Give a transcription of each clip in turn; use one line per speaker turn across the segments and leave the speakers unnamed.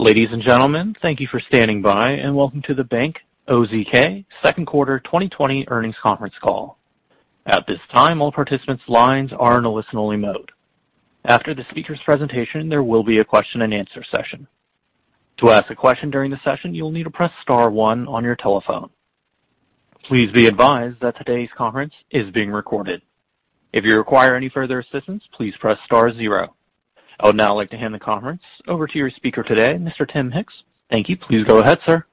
Ladies and gentlemen, thank you for standing by, and welcome to the Bank OZK second quarter 2020 earnings conference call. At this time, all participants' lines are in a listen-only mode. After the speaker's presentation, there will be a question and answer session. To ask a question during the session, you will need to press star one on your telephone. Please be advised that today's conference is being recorded. If you require any further assistance, please press star zero. I would now like to hand the conference over to your speaker today, Mr. Tim Hicks. Thank you. Please go ahead, sir.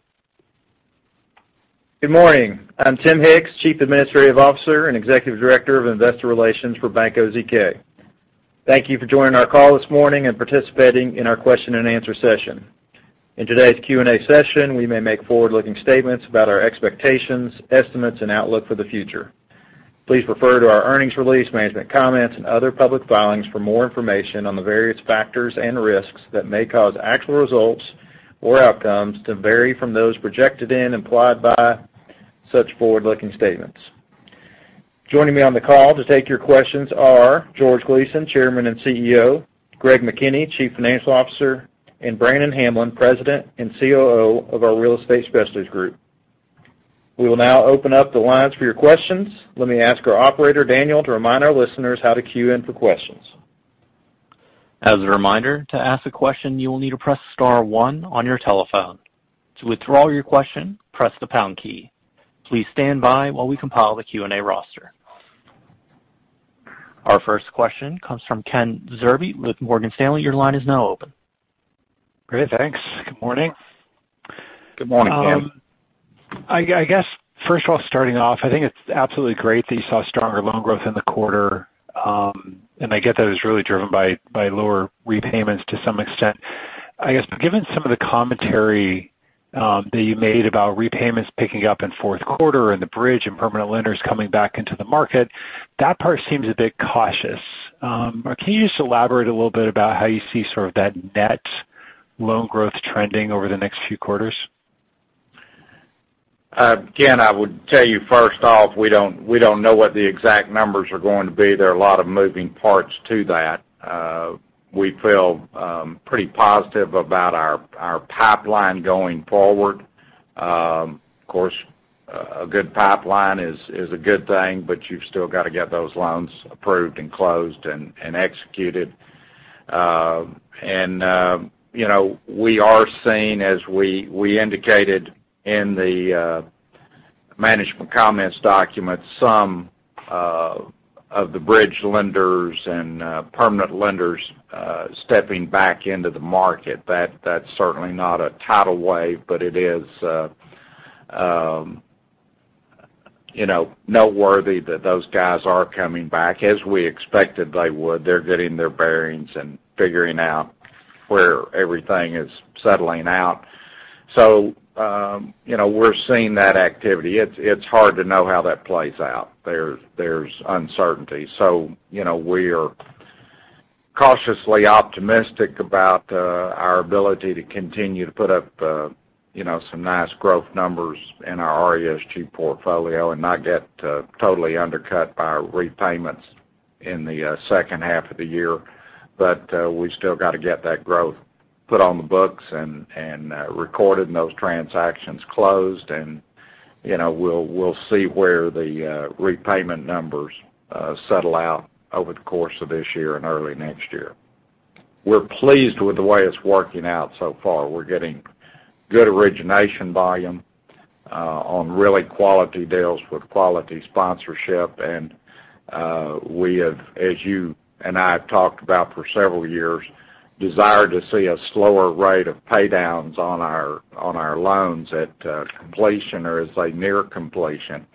Good morning. I'm Tim Hicks, Chief Administrative Officer and Executive Director of Investor Relations for Bank OZK. Thank you for joining our call this morning and participating in our Q&A session. In today's Q&A session, we may make forward-looking statements about our expectations, estimates, and outlook for the future. Please refer to our earnings release, management comments, and other public filings for more information on the various factors and risks that may cause actual results or outcomes to vary from those projected in, implied by such forward-looking statements. Joining me on the call to take your questions are George Gleason, Chairman and CEO, Greg McKinney, Chief Financial Officer, and Brannon Hamblen, President and COO of our Real Estate Specialties Group. We will now open up the lines for your questions. Let me ask our operator, Daniel, to remind our listeners how to queue in for questions.
As a reminder, to ask a question, you will need to press star one on your telephone. To withdraw your question, press the pound key. Please stand by while we compile the Q&A roster. Our first question comes from Ken Zerbe with Morgan Stanley. Your line is now open.
Great, thanks. Good morning.
Good morning, Ken.
I guess, first of all, starting off, I think it's absolutely great that you saw stronger loan growth in the quarter. I get that it was really driven by lower repayments to some extent. I guess, given some of the commentary that you made about repayments picking up in fourth quarter and the bridge, and permanent lenders coming back into the market, that part seems a bit cautious. Can you just elaborate a little bit about how you see sort of that net loan growth trending over the next few quarters?
Ken, I would tell you first off, we don't know what the exact numbers are going to be. There are a lot of moving parts to that. We feel pretty positive about our pipeline going forward. Of course, a good pipeline is a good thing, you've still got to get those loans approved and closed and executed. We are seeing, as we indicated in the management comments document, some of the bridge lenders and permanent lenders stepping back into the market. That's certainly not a tidal wave, it is noteworthy that those guys are coming back as we expected they would. They're getting their bearings and figuring out where everything is settling out. We're seeing that activity. It's hard to know how that plays out. There's uncertainty. We're cautiously optimistic about our ability to continue to put up some nice growth numbers in our RESG portfolio and not get totally undercut by repayments in the second half of the year. We still got to get that growth put on the books and recorded and those transactions closed. We'll see where the repayment numbers settle out over the course of this year and early next year. We're pleased with the way it's working out so far. We're getting good origination volume on really quality deals with quality sponsorship. We have, as you and I have talked about for several years, desire to see a slower rate of pay downs on our loans at completion or as they near completion.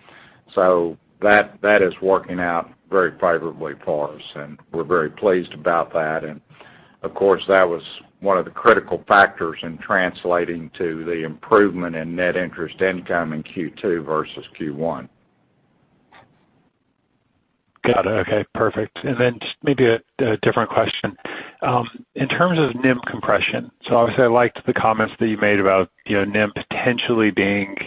That is working out very favorably for us, and we're very pleased about that. Of course, that was one of the critical factors in translating to the improvement in net interest income in Q2 versus Q1.
Got it. Okay, perfect. Just maybe a different question. In terms of NIM compression, obviously, I liked the comments that you made about NIM potentially being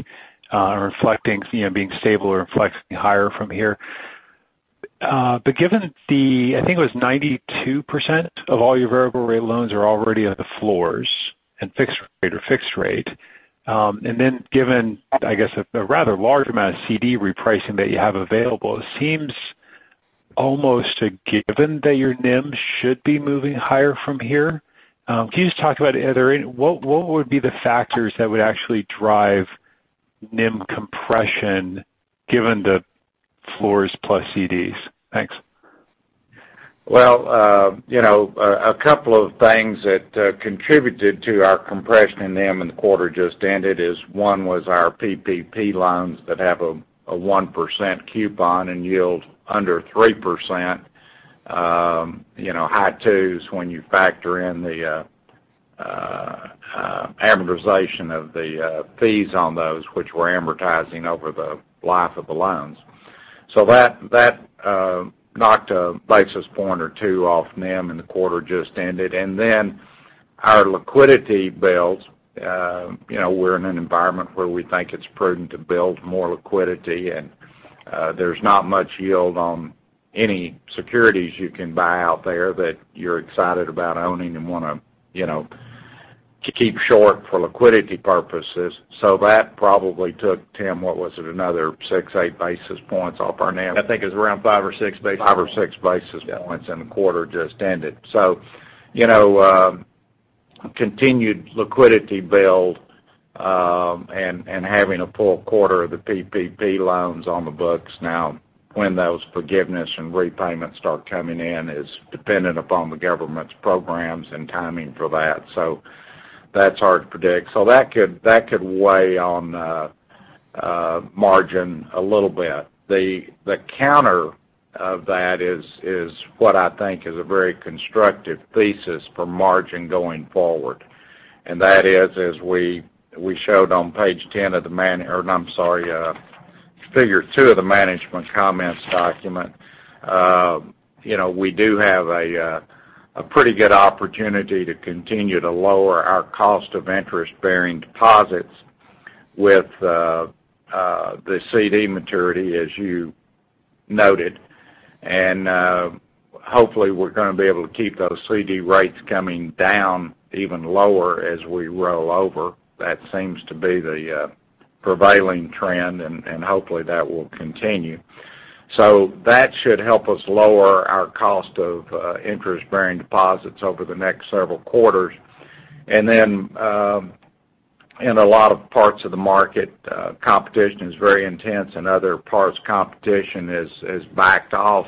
stable or flexing higher from here. Given the, I think it was 92% of all your variable rate loans are already at the floors in fixed rate or fixed rate. Given, I guess, a rather large amount of CD repricing that you have available, it seems almost a given that your NIM should be moving higher from here. Can you just talk about what would be the factors that would actually drive NIM compression given the floors plus CDs? Thanks.
A couple of things that contributed to our compression in NIM in the quarter just ended is one was our PPP loans that have a 1% coupon and yield under 3%, high twos when you factor in the amortization of the fees on those which we're amortizing over the life of the loans. That knocked a basis point or two off NIM in the quarter just ended. Our liquidity builds. We're in an environment where we think it's prudent to build more liquidity, and there's not much yield on any securities you can buy out there that you're excited about owning and want to keep short for liquidity purposes. That probably took, Tim, what was it? Another 6, 8 basis points off our net?
I think it was around 5 or 6 basis points.
5 or 6 basis points in the quarter just ended. Continued liquidity build, and having a full quarter of the PPP loans on the books now, when those forgiveness and repayments start coming in is dependent upon the government's programs and timing for that. That's hard to predict. That could weigh on margin a little bit. The counter of that is what I think is a very constructive thesis for margin going forward. That is, as we showed on page 10 of the or I'm sorry, figure two of the management comments document. We do have a pretty good opportunity to continue to lower our cost of interest-bearing deposits with the CD maturity, as you noted. Hopefully, we're going to be able to keep those CD rates coming down even lower as we roll over. That seems to be the prevailing trend, and hopefully, that will continue. That should help us lower our cost of interest-bearing deposits over the next several quarters. Then, in a lot of parts of the market, competition is very intense. In other parts, competition has backed off.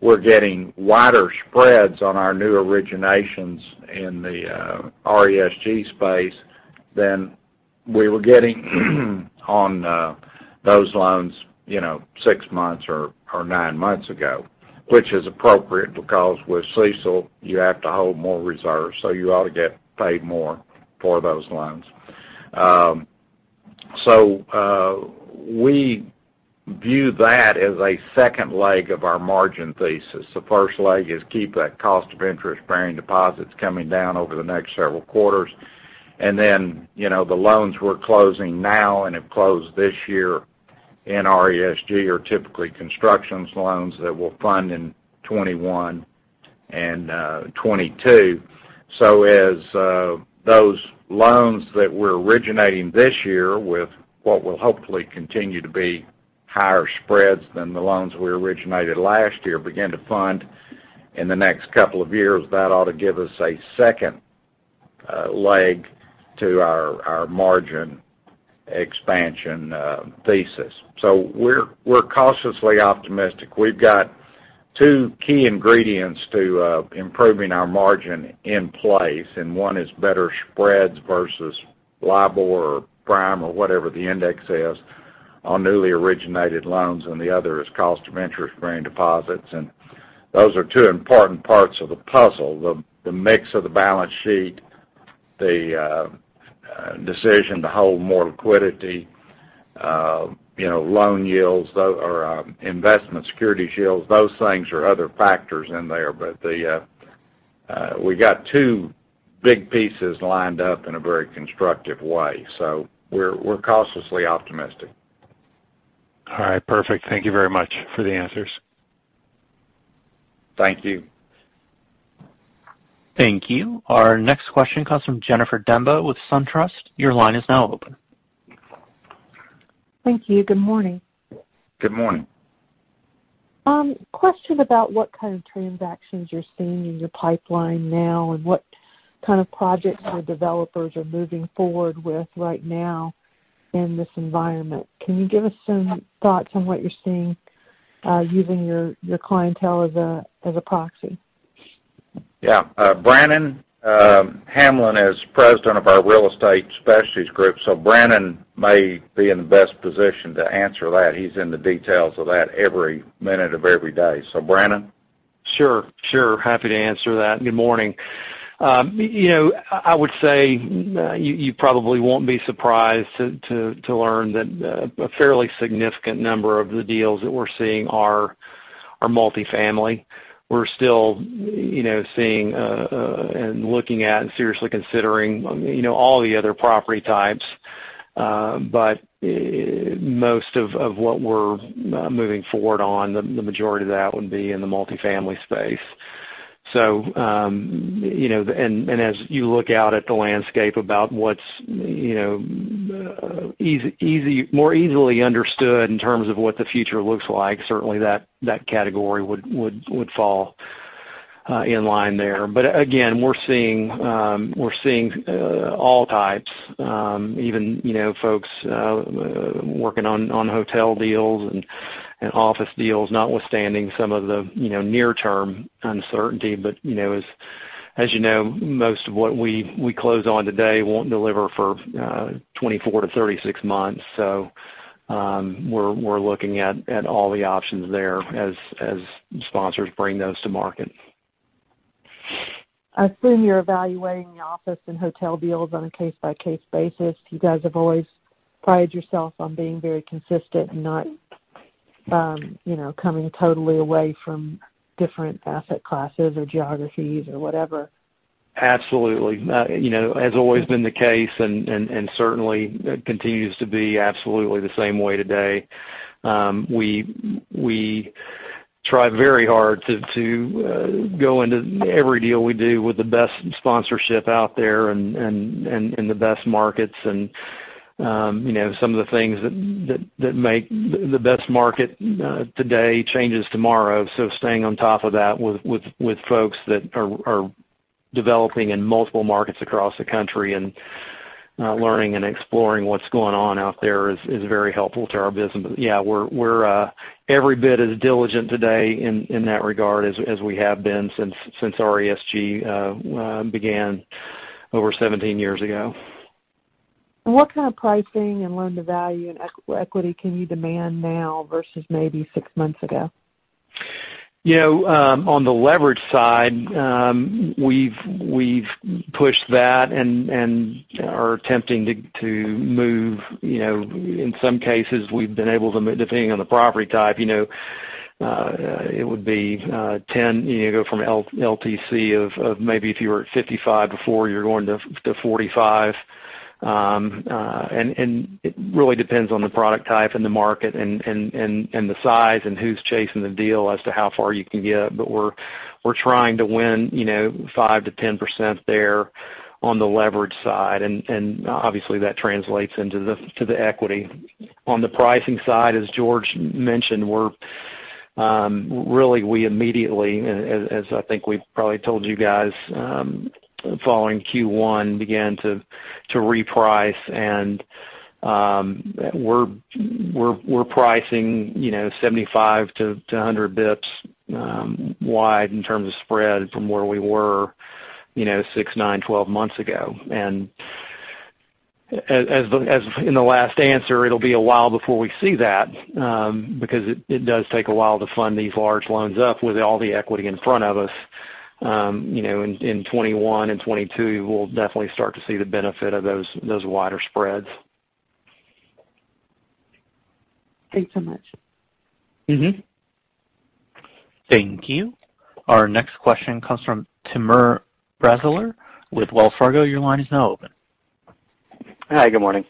We're getting wider spreads on our new originations in the RESG space than we were getting on those loans six months or nine months ago. Which is appropriate because with CECL, you have to hold more reserves, so you ought to get paid more for those loans. We view that as a second leg of our margin thesis. The first leg is keep that cost of interest-bearing deposits coming down over the next several quarters. The loans we're closing now and have closed this year in RESG are typically construction loans that we'll fund in 2021 and 2022. As those loans that we're originating this year with, what will hopefully continue to be higher spreads than the loans we originated last year, begin to fund in the next couple of years, that ought to give us a second leg to our margin expansion thesis. We're cautiously optimistic. We've got two key ingredients to improving our margin in place, and one is better spreads versus LIBOR or prime or whatever the index is on newly originated loans, and the other is cost of interest-bearing deposits. Those are two important parts of the puzzle. The mix of the balance sheet, the decision to hold more liquidity, loan yields, or investment securities yields, those things are other factors in there. We got two big pieces lined up in a very constructive way. We're cautiously optimistic.
All right. Perfect. Thank you very much for the answers.
Thank you.
Thank you. Our next question comes from Jennifer Demba with SunTrust. Your line is now open.
Thank you. Good morning.
Good morning.
Question about what kind of transactions you're seeing in your pipeline now and what kind of projects your developers are moving forward with right now in this environment. Can you give us some thoughts on what you're seeing, using your clientele as a proxy?
Yeah. Brannon Hamblen is President of our Real Estate Specialties Group, Brannon may be in the best position to answer that. He's in the details of that every minute of every day. Brannon?
Sure. Happy to answer that. Good morning. I would say you probably won't be surprised to learn that a fairly significant number of the deals that we're seeing are multi-family. We're still seeing, and looking at, and seriously considering all the other property types. Most of what we're moving forward on, the majority of that would be in the multi-family space. As you look out at the landscape about what's more easily understood in terms of what the future looks like, certainly that category would fall in line there. Again, we're seeing all types, even folks working on hotel deals and office deals, notwithstanding some of the near-term uncertainty. As you know, most of what we close on today won't deliver for 24-36 months. We're looking at all the options there as sponsors bring those to market.
I assume you're evaluating the office and hotel deals on a case-by-case basis. You guys have always prided yourself on being very consistent and not coming totally away from different asset classes or geographies or whatever.
Absolutely. Has always been the case, and certainly continues to be absolutely the same way today. We try very hard to go into every deal we do with the best sponsorship out there and the best markets. Some of the things that make the best market today changes tomorrow. Staying on top of that with folks that are developing in multiple markets across the country, and learning and exploring what's going on out there is very helpful to our business. Yeah, we're every bit as diligent today in that regard as we have been since RESG began over 17 years ago.
What kind of pricing and loan to value and equity can you demand now versus maybe six months ago?
On the leverage side, we've pushed that and are attempting to move. In some cases, we've been able to, depending on the property type it would be 10 you go from LTC of maybe if you were at 55 before, you're going to 45. It really depends on the product type and the market and the size and who's chasing the deal as to how far you can get. We're trying to win 5%-10% there on the leverage side. Obviously, that translates into the equity. On the pricing side, as George mentioned, really, we immediately, as I think we've probably told you guys, following Q1, began to reprice, and we're pricing 75-100 basis points wide in terms of spread from where we were six, nine, 12 months ago. As in the last answer, it'll be a while before we see that, because it does take a while to fund these large loans up with all the equity in front of us. In 2021 and 2022, we'll definitely start to see the benefit of those wider spreads.
Thanks so much.
Thank you. Our next question comes from Timur Braziler with Wells Fargo. Your line is now open.
Hi, good morning.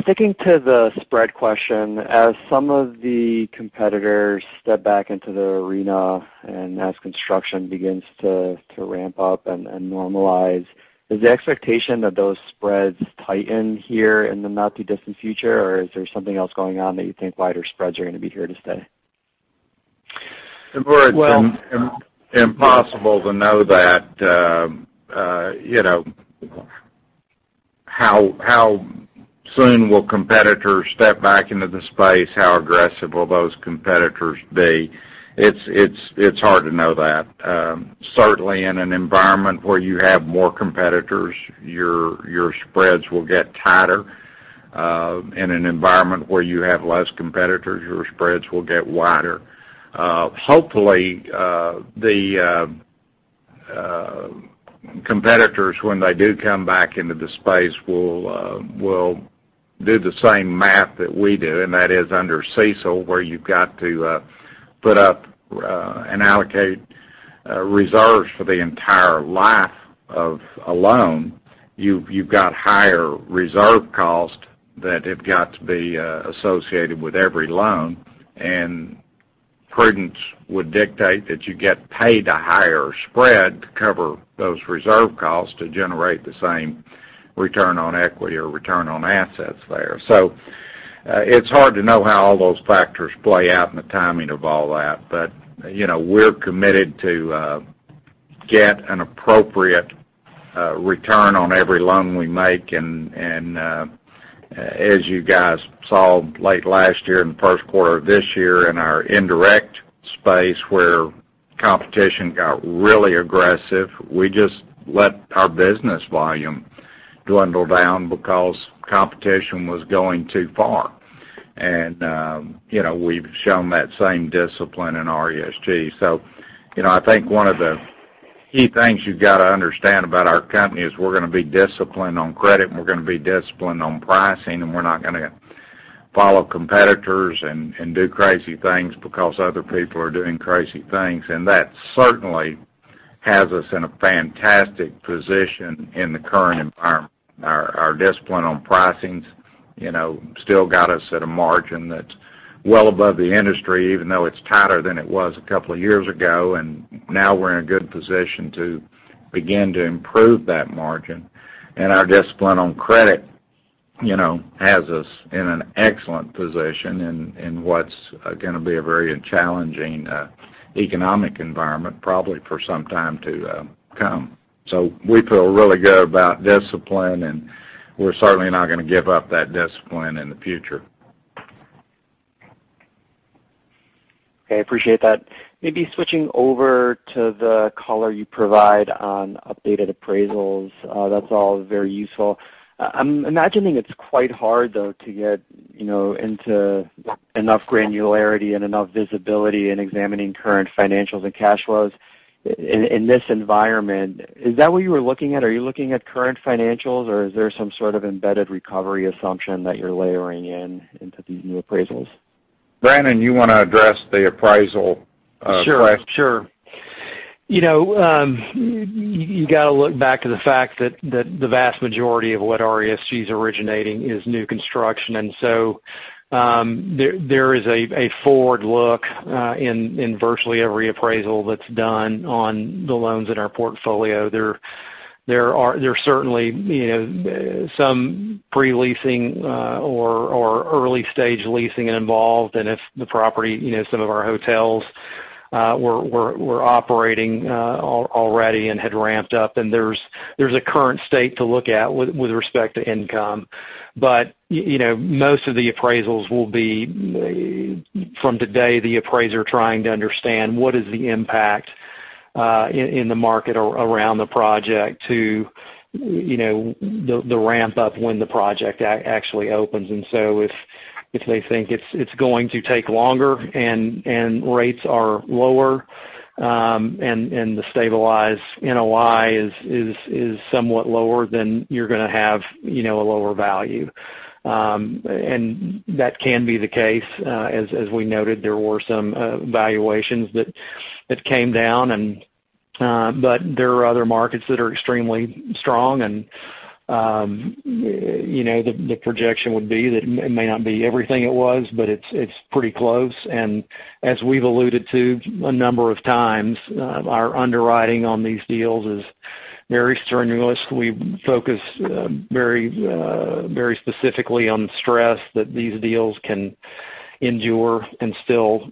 Sticking to the spread question, as some of the competitors step back into the arena, and as construction begins to ramp up and normalize, is the expectation that those spreads tighten here in the not too distant future, or is there something else going on that you think wider spreads are going to be here to stay?
Timur. Well- impossible to know that how soon will competitors step back into the space? How aggressive will those competitors be? It's hard to know that. Certainly, in an environment where you have more competitors, your spreads will get tighter. In an environment where you have less competitors, your spreads will get wider. Hopefully, the competitors, when they do come back into the space, will do the same math that we do, and that is under CECL, where you've got to put up and allocate reserves for the entire life of a loan. You've got higher reserve costs that have got to be associated with every loan, and prudence would dictate that you get paid a higher spread to cover those reserve costs to generate the same return on equity or return on assets there. It's hard to know how all those factors play out and the timing of all that. We're committed to get an appropriate return on every loan we make. As you guys saw late last year and first quarter of this year in our indirect space, where competition got really aggressive, we just let our business volume dwindle down because competition was going too far. We've shown that same discipline in RESG. I think one of the key things you've got to understand about our company is we're going to be disciplined on credit, and we're going to be disciplined on pricing, and we're not going to follow competitors and do crazy things because other people are doing crazy things. That certainly has us in a fantastic position in the current environment. Our discipline on pricings still got us at a margin that's well above the industry, even though it's tighter than it was a couple of years ago. Now we're in a good position to begin to improve that margin. Our discipline on credit has us in an excellent position in what's going to be a very challenging economic environment, probably for some time to come. We feel really good about discipline, and we're certainly not going to give up that discipline in the future.
Okay, appreciate that. Switching over to the color you provide on updated appraisals. That's all very useful. I'm imagining it's quite hard, though, to get into enough granularity and enough visibility in examining current financials and cash flows in this environment. Is that what you were looking at? Are you looking at current financials, or is there some sort of embedded recovery assumption that you're layering in into these new appraisals?
Brannon, you want to address the appraisal question?
Sure. You got to look back to the fact that the vast majority of what RESG is originating is new construction. There is a forward look in virtually every appraisal that's done on the loans in our portfolio. There are certainly some pre-leasing or early-stage leasing involved. If the property, some of our hotels were operating already and had ramped up, then there's a current state to look at with respect to income. Most of the appraisals will be from today, the appraiser trying to understand what is the impact in the market around the project to the ramp-up when the project actually opens. If they think it's going to take longer, and rates are lower, and the stabilized NOI is somewhat lower, then you're going to have a lower value. That can be the case. As we noted, there were some valuations that came down, but there are other markets that are extremely strong. The projection would be that it may not be everything it was, but it's pretty close. As we've alluded to a number of times, our underwriting on these deals is very strenuous. We focus very specifically on stress that these deals can endure and still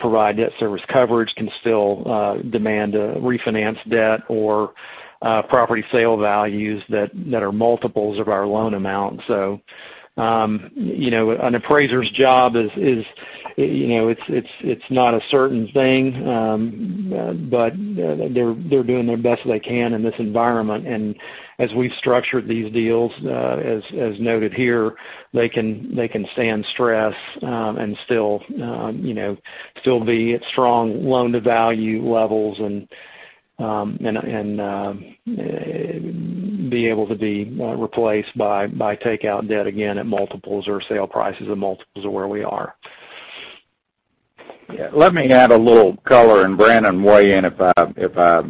provide debt service coverage, can still demand a refinance debt or property sale values that are multiples of our loan amount. An appraiser's job, it's not a certain thing. They're doing their best they can in this environment. As we've structured these deals, as noted here, they can stand stress and still be at strong loan-to-value levels and be able to be replaced by takeout debt again at multiples or sale prices of multiples of where we are.
Let me add a little color. Brannon, weigh in if I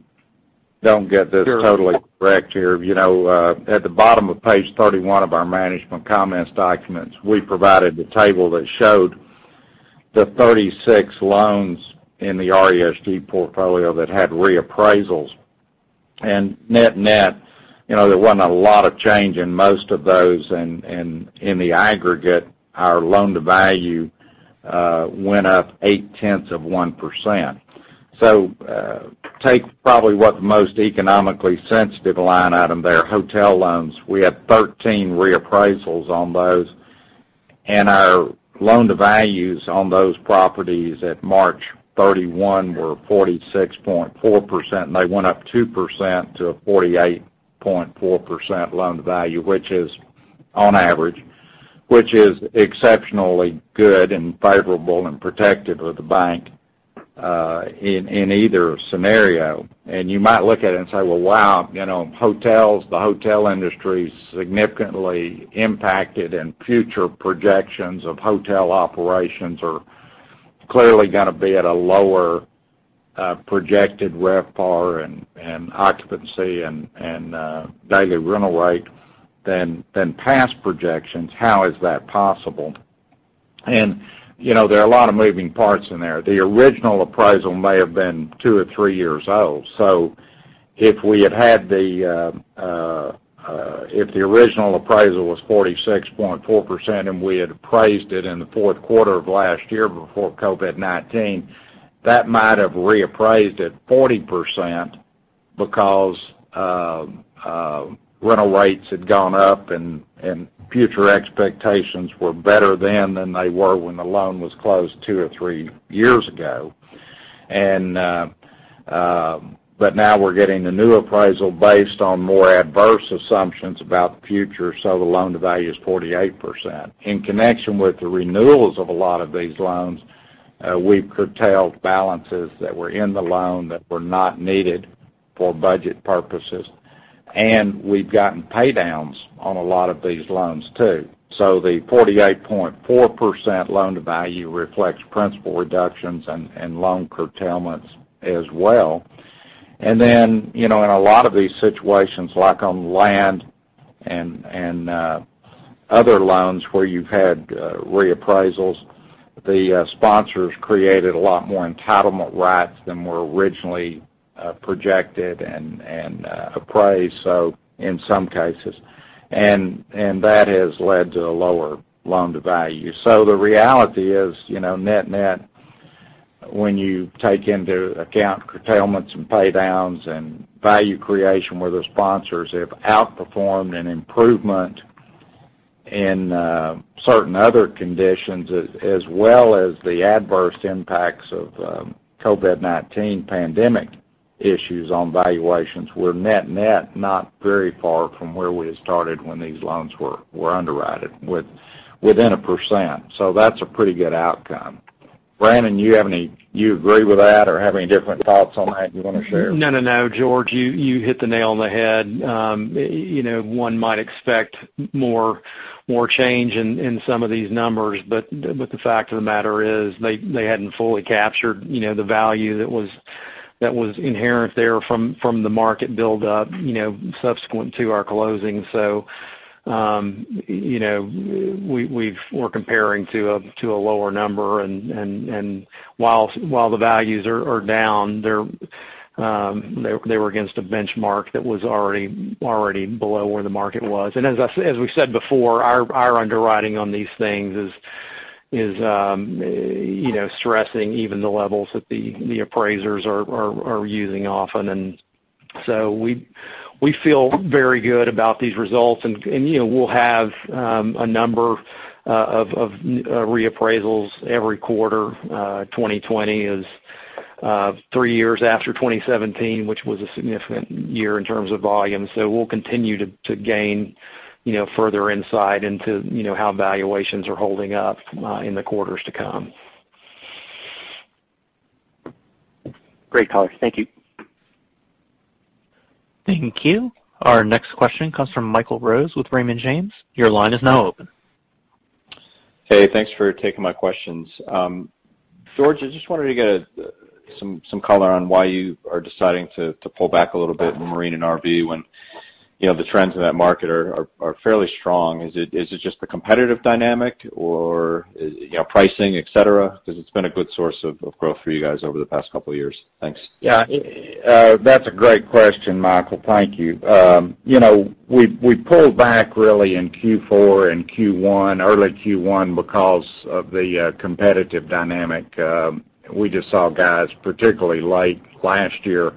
don't get this.
Sure.
Totally correct here. At the bottom of page 31 of our management comments documents, we provided the table that showed the 36 loans in the RESG portfolio that had reappraisals. Net net, there wasn't a lot of change in most of those. In the aggregate, our loan-to-value went up 8/10 of 1%. Take probably what the most economically sensitive line item there, hotel loans. We had 13 reappraisals on those, and our loan-to-values on those properties at March 31 were 46.4%, and they went up 2% to 48.4% loan-to-value, on average, which is exceptionally good and favorable and protective of the bank in either scenario. You might look at it and say, "Well, wow, the hotel industry's significantly impacted, and future projections of hotel operations are clearly going to be at a lower projected RevPAR and occupancy and daily rental rate than past projections. How is that possible? There are a lot of moving parts in there. The original appraisal may have been two or three years old. If the original appraisal was 46.4% and we had appraised it in the fourth quarter of last year before COVID-19, that might have reappraised at 40% because rental rates had gone up and future expectations were better then than they were when the loan was closed two or three years ago. Now we're getting a new appraisal based on more adverse assumptions about the future, so the loan-to-value is 48%. In connection with the renewals of a lot of these loans, we've curtailed balances that were in the loan that were not needed for budget purposes. We've gotten pay-downs on a lot of these loans, too. The 48.4% loan-to-value reflects principal reductions and loan curtailments as well. In a lot of these situations, like on land and other loans where you've had reappraisals, the sponsors created a lot more entitlement rights than were originally projected and appraised in some cases. That has led to a lower loan-to-value. The reality is, net net, when you take into account curtailments and pay-downs and value creation where the sponsors have outperformed, and improvement in certain other conditions, as well as the adverse impacts of COVID-19 pandemic issues on valuations, we're net net not very far from where we had started when these loans were underwritten, within 1%. That's a pretty good outcome. Brannon, you agree with that or have any different thoughts on that you want to share?
No, George, you hit the nail on the head. One might expect more change in some of these numbers, the fact of the matter is they hadn't fully captured the value that was inherent there from the market buildup subsequent to our closing. We're comparing to a lower number, while the values are down, they were against a benchmark that was already below where the market was. As we said before, our underwriting on these things is stressing even the levels that the appraisers are using often. We feel very good about these results, and we'll have a number of reappraisals every quarter. 2020 is three years after 2017, which was a significant year in terms of volume. We'll continue to gain further insight into how valuations are holding up in the quarters to come.
Great color. Thank you.
Thank you. Our next question comes from Michael Rose with Raymond James. Your line is now open.
Hey, thanks for taking my questions. George, I just wanted to get some color on why you are deciding to pull back a little bit from marine and RV when the trends in that market are fairly strong. Is it just the competitive dynamic, or pricing, et cetera? It's been a good source of growth for you guys over the past couple of years. Thanks.
That's a great question, Michael. Thank you. We pulled back really in Q4 and Q1, early Q1, because of the competitive dynamic. We just saw guys, particularly late last year,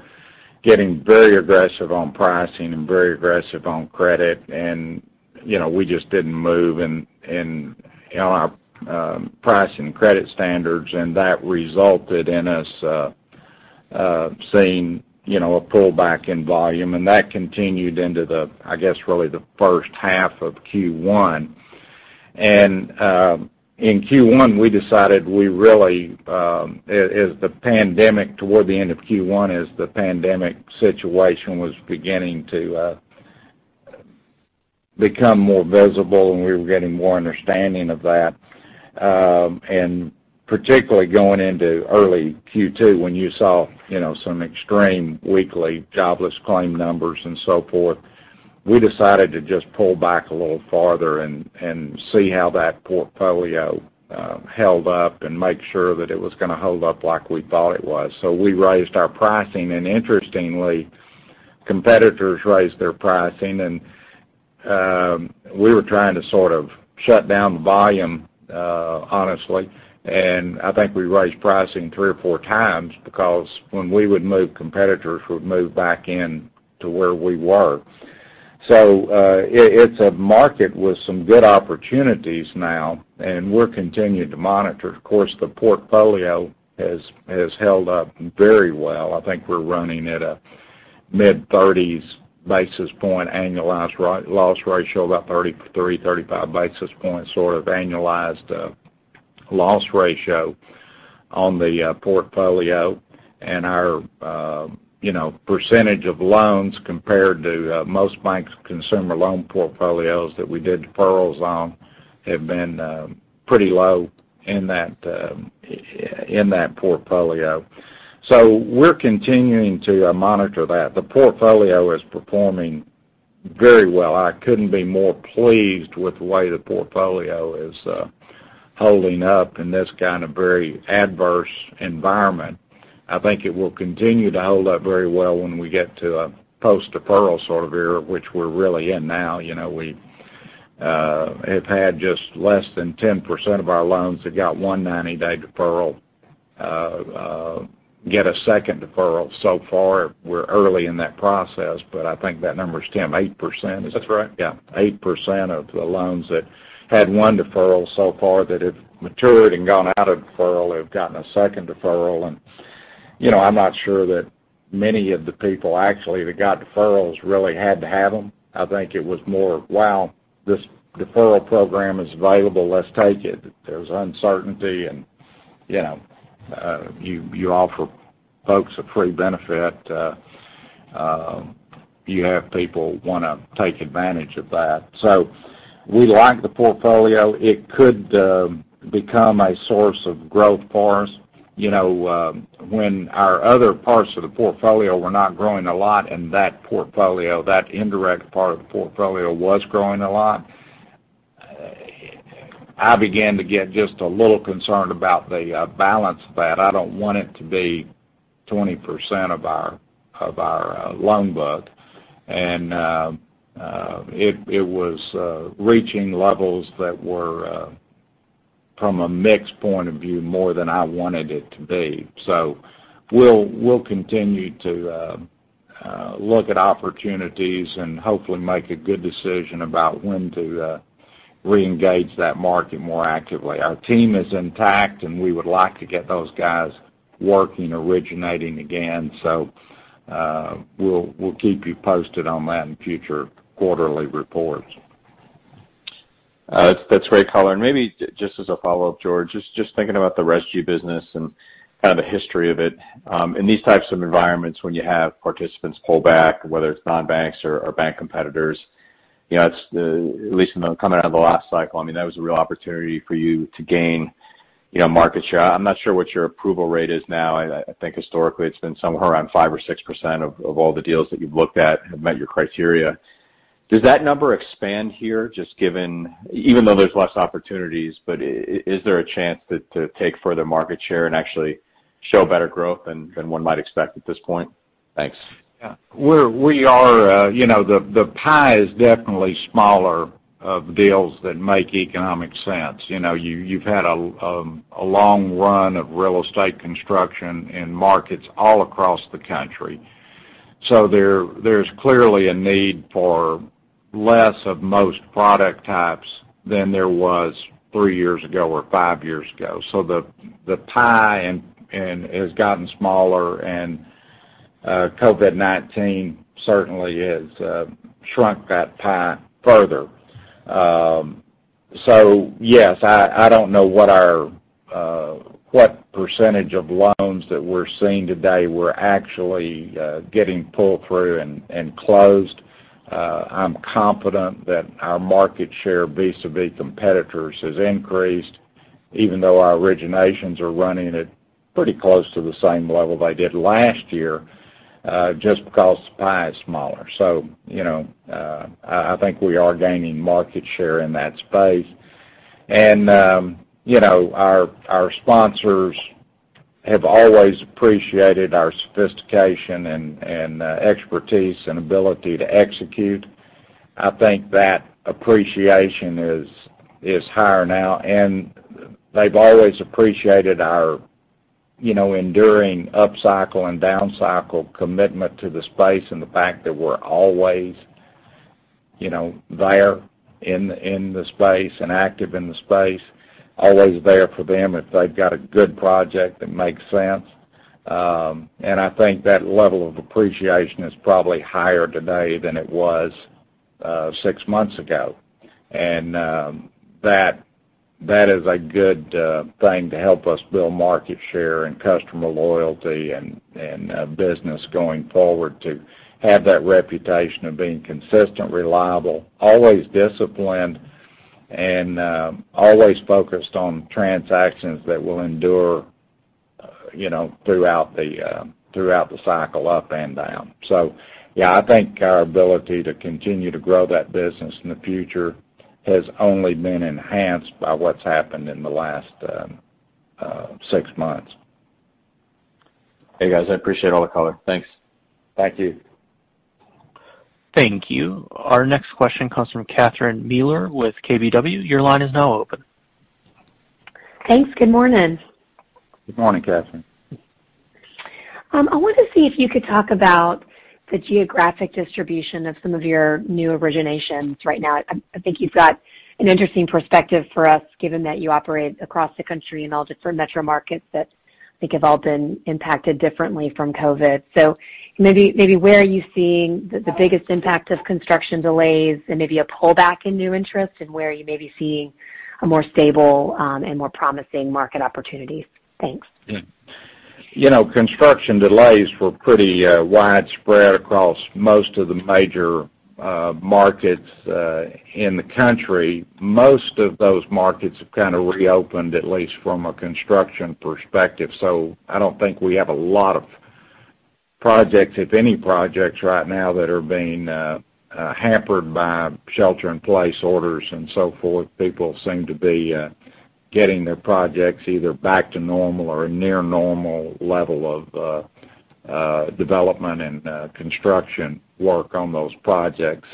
getting very aggressive on pricing and very aggressive on credit. We just didn't move in our price and credit standards, and that resulted in us seeing a pullback in volume. That continued into the, I guess, really the first half of Q1. In Q1, we decided, toward the end of Q1, as the pandemic situation was beginning to become more visible, and we were getting more understanding of that. Particularly going into early Q2, when you saw some extreme weekly jobless claim numbers and so forth, we decided to just pull back a little farther and see how that portfolio held up and make sure that it was going to hold up like we thought it was. We raised our pricing, and interestingly, competitors raised their pricing, and we were trying to sort of shut down the volume, honestly. I think we raised pricing three or four times because when we would move, competitors would move back in to where we were. It's a market with some good opportunities now, and we're continuing to monitor. Of course, the portfolio has held up very well. I think we're running at a mid-30s basis point annualized loss ratio, about 33, 35 basis points sort of annualized loss ratio on the portfolio. Our percentage of loans compared to most banks' consumer loan portfolios that we did deferrals on have been pretty low in that portfolio. We're continuing to monitor that. The portfolio is performing very well. I couldn't be more pleased with the way the portfolio is holding up in this kind of very adverse environment. I think it will continue to hold up very well when we get to a post-deferral sort of era, which we're really in now. We have had just less than 10% of our loans that got one 90-day deferral get a second deferral so far. We're early in that process, but I think that number is, Tim, 8%, is it?
That's right.
8% of the loans that had one deferral so far that have matured and gone out of deferral have gotten a second deferral. I'm not sure that many of the people actually that got deferrals really had to have them. I think it was more, "Wow, this deferral program is available. Let's take it." There's uncertainty, and you offer folks a free benefit. You have people want to take advantage of that. We like the portfolio. It could become a source of growth for us. When our other parts of the portfolio were not growing a lot, and that portfolio, that indirect part of the portfolio, was growing a lot, I began to get just a little concerned about the balance of that. I don't want it to be 20% of our loan book. It was reaching levels that were, from a mix point of view, more than I wanted it to be. We'll continue to look at opportunities and hopefully make a good decision about when to reengage that market more actively. Our team is intact, and we would like to get those guys working, originating again. We'll keep you posted on that in future quarterly reports.
That's great color. Maybe just as a follow-up, George, just thinking about the RESG business and kind of the history of it. In these types of environments, when you have participants pull back, whether it's non-banks or bank competitors, at least coming out of the last cycle, that was a real opportunity for you to gain market share. I'm not sure what your approval rate is now. I think historically, it's been somewhere around 5% or 6% of all the deals that you've looked at have met your criteria. Does that number expand here, even though there's less opportunities, but is there a chance to take further market share and actually show better growth than one might expect at this point? Thanks.
Yeah. The pie is definitely smaller of deals that make economic sense, you know, you've had a long run of real estate construction and markets all across the country. There's clearly a need for less of most product types than there was three years ago or five years ago. The pie has gotten smaller, and COVID-19 certainly has shrunk that pie further. Yes, I don't know what percentage of loans that we're seeing today were actually getting pulled through and closed. I'm confident that our market share vis-a-vis competitors has increased, even though our originations are running at pretty close to the same level they did last year, just because the pie is smaller. I think we are gaining market share in that space. And our sponsors have always appreciated our sophistication and expertise and ability to execute. I think that appreciation is higher now. They've always appreciated our enduring up cycle and down cycle commitment to the space, and the fact that we're always there in the space and active in the space, always there for them if they've got a good project that makes sense. I think that level of appreciation is probably higher today than it was six months ago. That is a good thing to help us build market share and customer loyalty and business going forward, to have that reputation of being consistent, reliable, always disciplined, and always focused on transactions that will endure throughout the cycle up and down. Yeah, I think our ability to continue to grow that business in the future has only been enhanced by what's happened in the last six months.
Hey, guys. I appreciate all the color. Thanks.
Thank you.
Thank you. Our next question comes from Catherine Mealor with KBW. Your line is now open.
Thanks. Good morning.
Good morning, Catherine.
I wanted to see if you could talk about the geographic distribution of some of your new originations right now. I think you've got an interesting perspective for us, given that you operate across the country in all different metro markets that I think have all been impacted differently from COVID. Maybe where are you seeing the biggest impact of construction delays and maybe a pullback in new interest, and where are you maybe seeing a more stable and more promising market opportunities? Thanks.
Yeah. Construction delays were pretty widespread across most of the major markets in the country. Most of those markets have kind of reopened, at least from a construction perspective. I don't think we have a lot of projects, if any projects right now, that are being hampered by shelter-in-place orders and so forth. People seem to be getting their projects either back to normal or near normal level of development and construction work on those projects.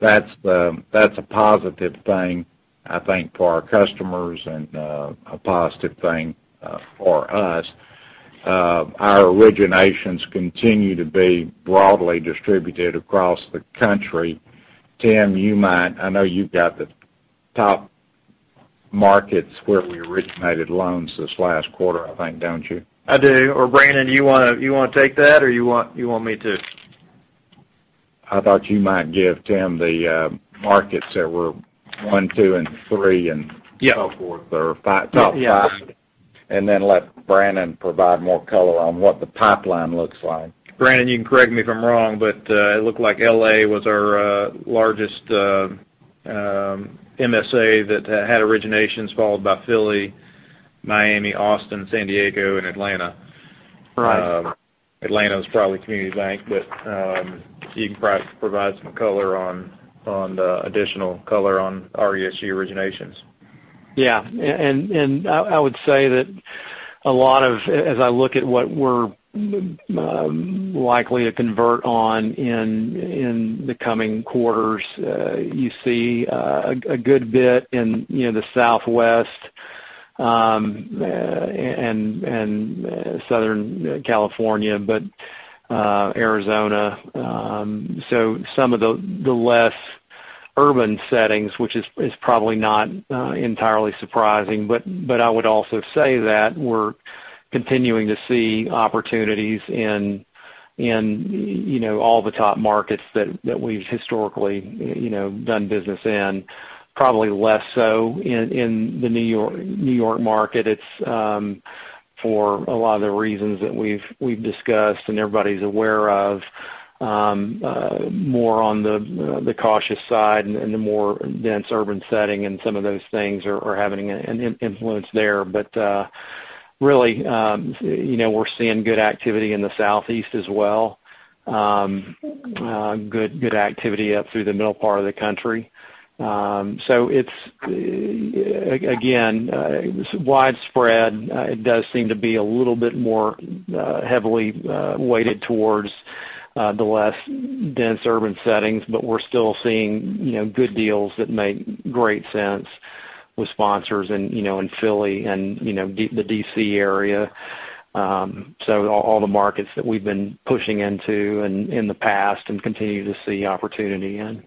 That's a positive thing, I think, for our customers and a positive thing for us. Our originations continue to be broadly distributed across the country. Tim, I know you've got the top markets where we originated loans this last quarter, I think, don't you?
I do. Brannon, you want to take that, or you want me to?
I thought you might give Tim the markets that were one, two, and three.
Yeah.
So forth, top five.
Yeah.
Let Brannon provide more color on what the pipeline looks like.
Brannon, you can correct me if I'm wrong, but it looked like L.A. was our largest MSA that had originations, followed by Philly, Miami, Austin, San Diego, and Atlanta.
Right.
Atlanta was probably Community Bank. You can probably provide some additional color on RESG originations.
Yeah. I would say that as I look at what we're likely to convert on in the coming quarters, you see a good bit in the Southwest, and Southern California, but Arizona. Some of the less urban settings, which is probably not entirely surprising. I would also say that we're continuing to see opportunities in. In all the top markets that we've historically done business in, probably less so in the New York market. It's for a lot of the reasons that we've discussed and everybody's aware of, more on the cautious side and the more dense urban setting and some of those things are having an influence there. Really, we're seeing good activity in the Southeast as well. Good activity up through the middle part of the country. It's, again, widespread. It does seem to be a little bit more heavily weighted towards the less dense urban settings, but we're still seeing good deals that make great sense with sponsors in Philly and the D.C. area. All the markets that we've been pushing into in the past and continue to see opportunity in.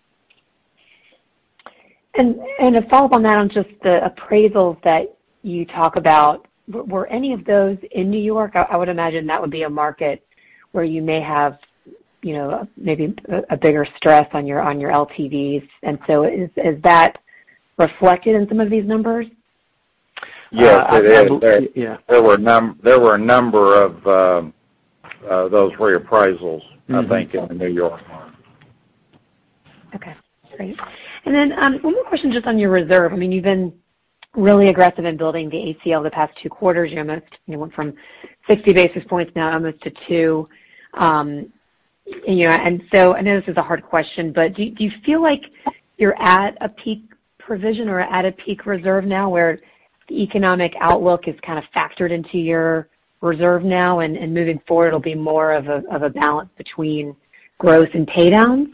A follow-up on that on just the appraisals that you talk about, were any of those in New York? I would imagine that would be a market where you may have maybe a bigger stress on your LTVs. Is that reflected in some of these numbers?
Yes, it is. There were a number of those reappraisals, I think, in the New York market.
Okay, great. One more question just on your reserve. You've been really aggressive in building the ACL the past two quarters. You went from 60 basis points down almost to two. I know this is a hard question, but do you feel like you're at a peak provision or at a peak reserve now where the economic outlook is kind of factored into your reserve now and moving forward, it'll be more of a balance between growth and pay downs?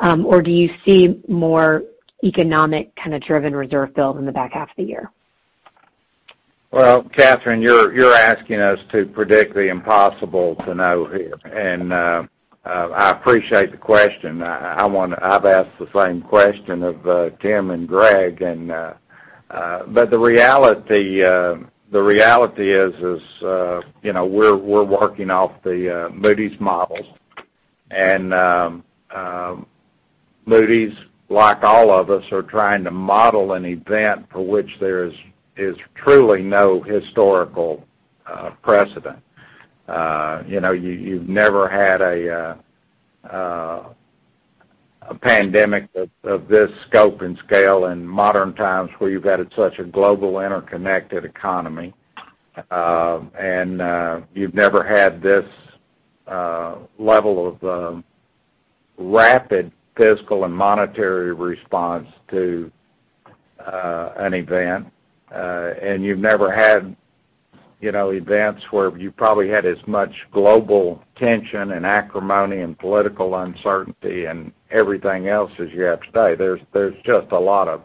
Or do you see more economic kind of driven reserve build in the back half of the year?
Well, Catherine, you're asking us to predict the impossible to know here, and I appreciate the question. I've asked the same question of Tim and Greg, but the reality is we're working off the Moody's models. Moody's, like all of us, are trying to model an event for which there is truly no historical precedent. You've never had a pandemic of this scope and scale in modern times where you've got such a global interconnected economy, and you've never had this level of rapid fiscal and monetary response to an event. You've never had events where you probably had as much global tension and acrimony and political uncertainty and everything else as you have today. There's just a lot of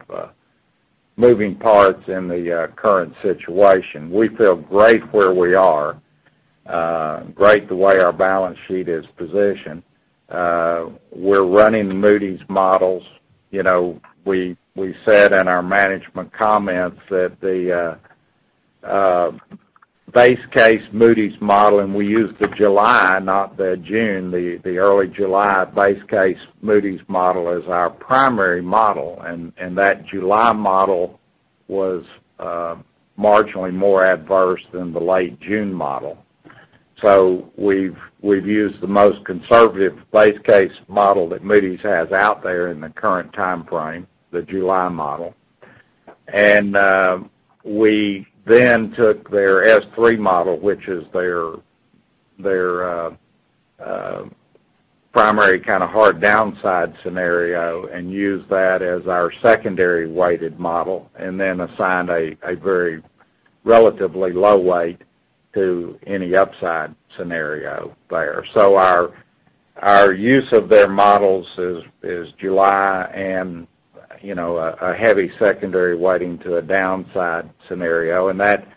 moving parts in the current situation. We feel great where we are, great the way our balance sheet is positioned. We're running Moody's models. We said in our management comments that the base case Moody's model, and we used the July, not the June, the early July base case Moody's model as our primary model, and that July model was marginally more adverse than the late June model. We've used the most conservative base case model that Moody's has out there in the current timeframe, the July model. We then took their S3 model, which is their primary kind of hard downside scenario, and used that as our secondary weighted model, and then assigned a very relatively low weight to any upside scenario there. Our use of their models is July and a heavy secondary weighting to a downside scenario. That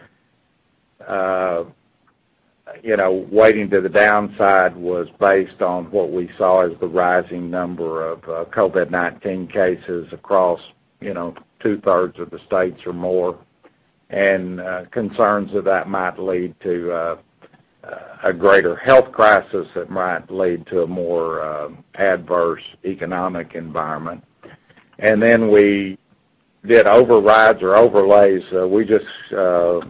weighting to the downside was based on what we saw as the rising number of COVID-19 cases across two-thirds of the states or more, and concerns that that might lead to a greater health crisis that might lead to a more adverse economic environment. We did overrides or overlays. The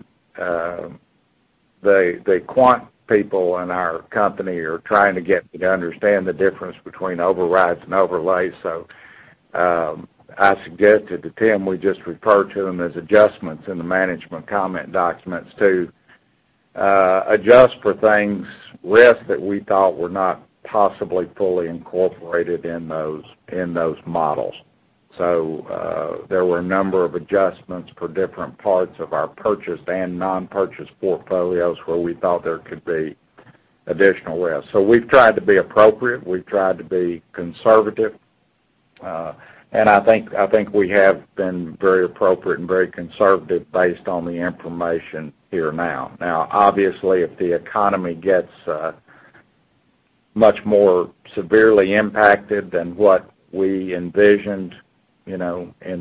quant people in our company are trying to get me to understand the difference between overrides and overlays. I suggested to Tim, we just refer to them as adjustments in the management comment documents to adjust for things, risks that we thought were not possibly fully incorporated in those models. There were a number of adjustments for different parts of our purchased and non-purchased portfolios where we thought there could be additional risk. We've tried to be appropriate. We've tried to be conservative. I think we have been very appropriate and very conservative based on the information here now. Now, obviously, if the economy gets much more severely impacted than what we envisioned, in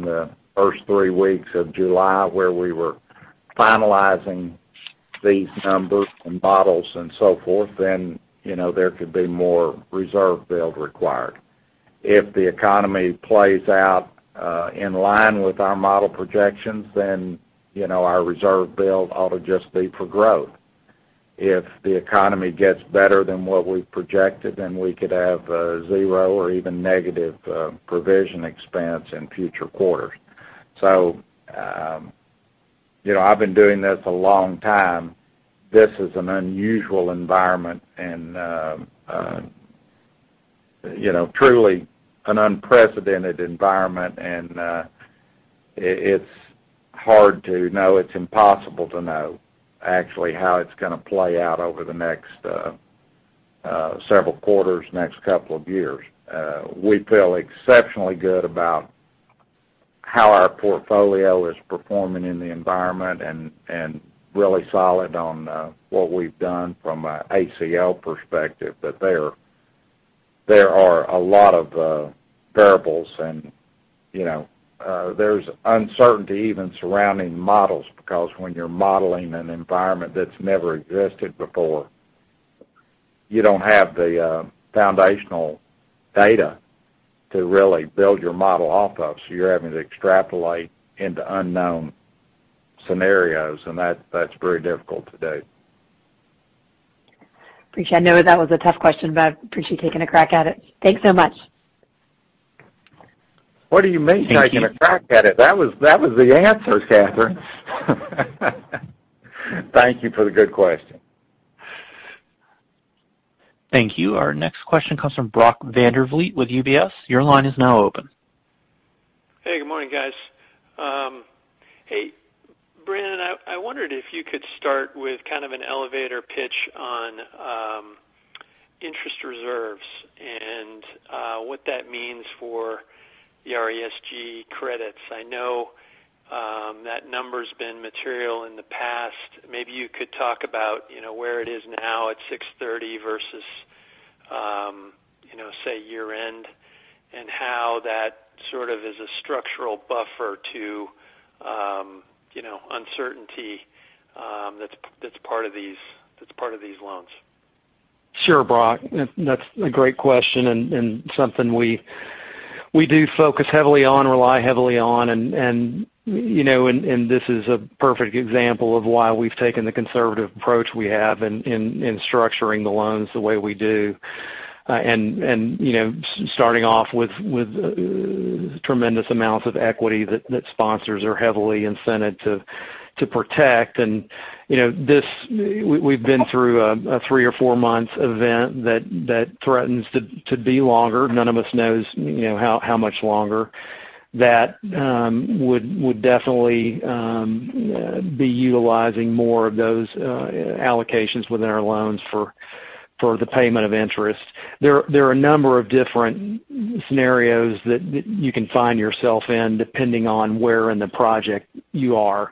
the first three weeks of July, where we were finalizing these numbers and models and so forth, then there could be more reserve build required. If the economy plays out in line with our model projections, then our reserve build ought to just be for growth. If the economy gets better than what we've projected, then we could have zero or even negative provision expense in future quarters. I've been doing this a long time. This is an unusual environment and truly an unprecedented environment, and it's hard to know. It's impossible to know actually how it's going to play out over the next several quarters, next couple of years. We feel exceptionally good about how our portfolio is performing in the environment, and really solid on what we've done from an ACL perspective. There are a lot of variables and there's uncertainty even surrounding models, because when you're modeling an environment that's never existed before, you don't have the foundational data to really build your model off of. You're having to extrapolate into unknown scenarios, and that's very difficult to do.
Appreciate it. I know that was a tough question, but I appreciate you taking a crack at it. Thanks so much.
What do you mean taking a crack at it? That was the answer, Catherine. Thank you for the good question.
Thank you. Our next question comes from Brock Vandervliet with UBS. Your line is now open.
Hey, good morning, guys. Hey, Brannon, I wondered if you could start with kind of an elevator pitch on interest reserves and what that means for the RESG credits. I know that number's been material in the past. Maybe you could talk about where it is now at 6/30 versus, say, year-end, and how that sort of is a structural buffer to uncertainty that's part of these loans.
Sure, Brock, that's a great question and something we do focus heavily on, rely heavily on, and this is a perfect example of why we've taken the conservative approach we have in structuring the loans the way we do. Starting off with tremendous amounts of equity that sponsors are heavily incented to protect. We've been through a three or four-month event that threatens to be longer. None of us knows how much longer. That would definitely be utilizing more of those allocations within our loans for the payment of interest. There are a number of different scenarios that you can find yourself in, depending on where in the project you are.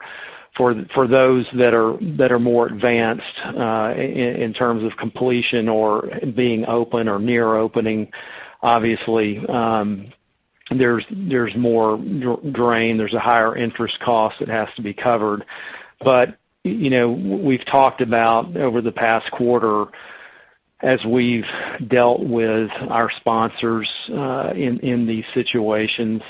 For those that are more advanced, in terms of completion or being open or near opening, obviously, there's more drain, there's a higher interest cost that has to be covered. We've talked about over the past quarter as we've dealt with our sponsors in these situations,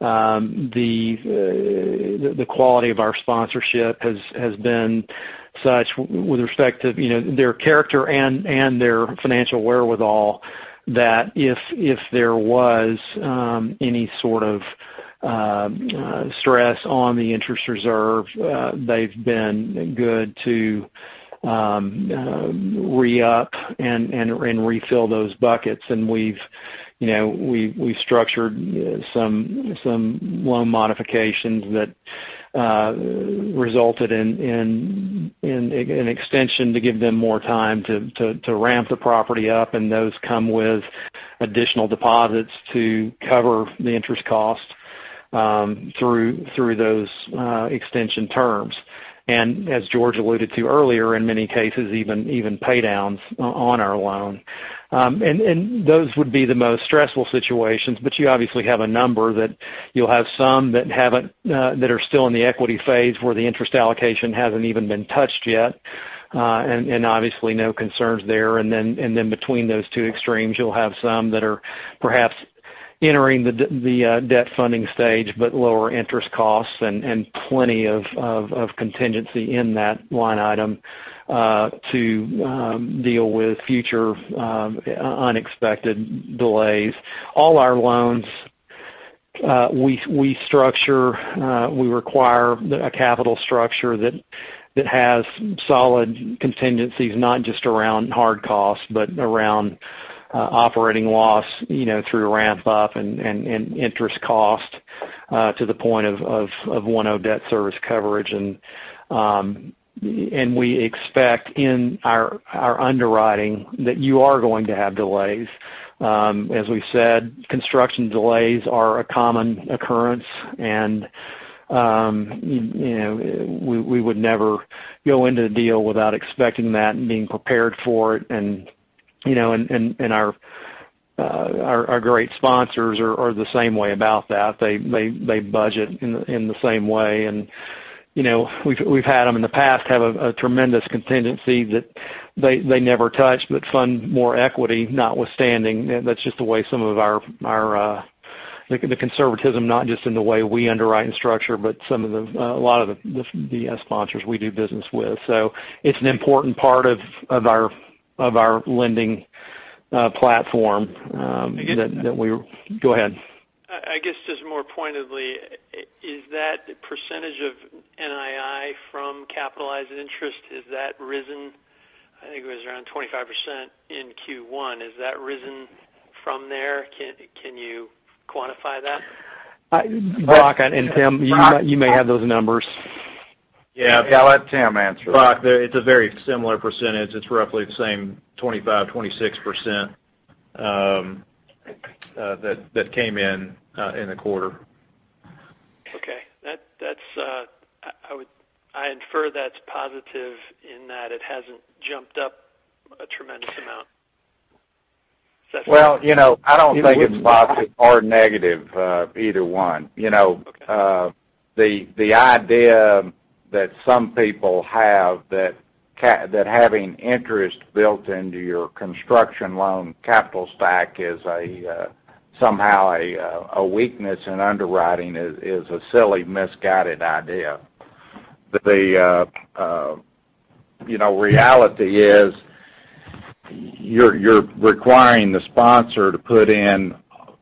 the quality of our sponsorship has been such with respect to their character and their financial wherewithal, that if there was any sort of stress on the interest reserve, they've been good to re-up and refill those buckets. We've structured some loan modifications that resulted in an extension to give them more time to ramp the property up, and those come with additional deposits to cover the interest cost through those extension terms. As George alluded to earlier, in many cases, even pay downs on our loan. Those would be the most stressful situations, but you obviously have a number that you'll have some that are still in the equity phase where the interest allocation hasn't even been touched yet. Obviously no concerns there. Between those two extremes, you'll have some that are perhaps entering the debt funding stage, but lower interest costs and plenty of contingency in that line item to deal with future unexpected delays. All our loans, we require a capital structure that has solid contingencies, not just around hard costs, but around operating loss, through ramp-up and interest cost, to the point of 1.0 debt service coverage. We expect in our underwriting that you are going to have delays. As we've said, construction delays are a common occurrence, and we would never go into a deal without expecting that and being prepared for it. Our great sponsors are the same way about that. They budget in the same way. We've had them in the past have a tremendous contingency that they never touch but fund more equity notwithstanding. That's just the way some of the conservatism, not just in the way we underwrite and structure, but a lot of the sponsors we do business with. It's an important part of our lending platform that we. Go ahead.
I guess just more pointedly, is that percentage of NII from capitalized interest, has that risen? I think it was around 25% in Q1. Has that risen from there? Can you quantify that?
Brock and Tim, you may have those numbers.
Yeah. I'll let Tim answer that.
Brock, it's a very similar percentage. It's roughly the same 25%, 26% that came in in the quarter.
Okay. I infer that's positive in that it hasn't jumped up a tremendous amount.
Well, I don't think it's positive or negative, either one.
Okay.
The idea that some people have that having interest built into your construction loan capital stack is somehow a weakness in underwriting is a silly, misguided idea. The reality is, you're requiring the sponsor to put in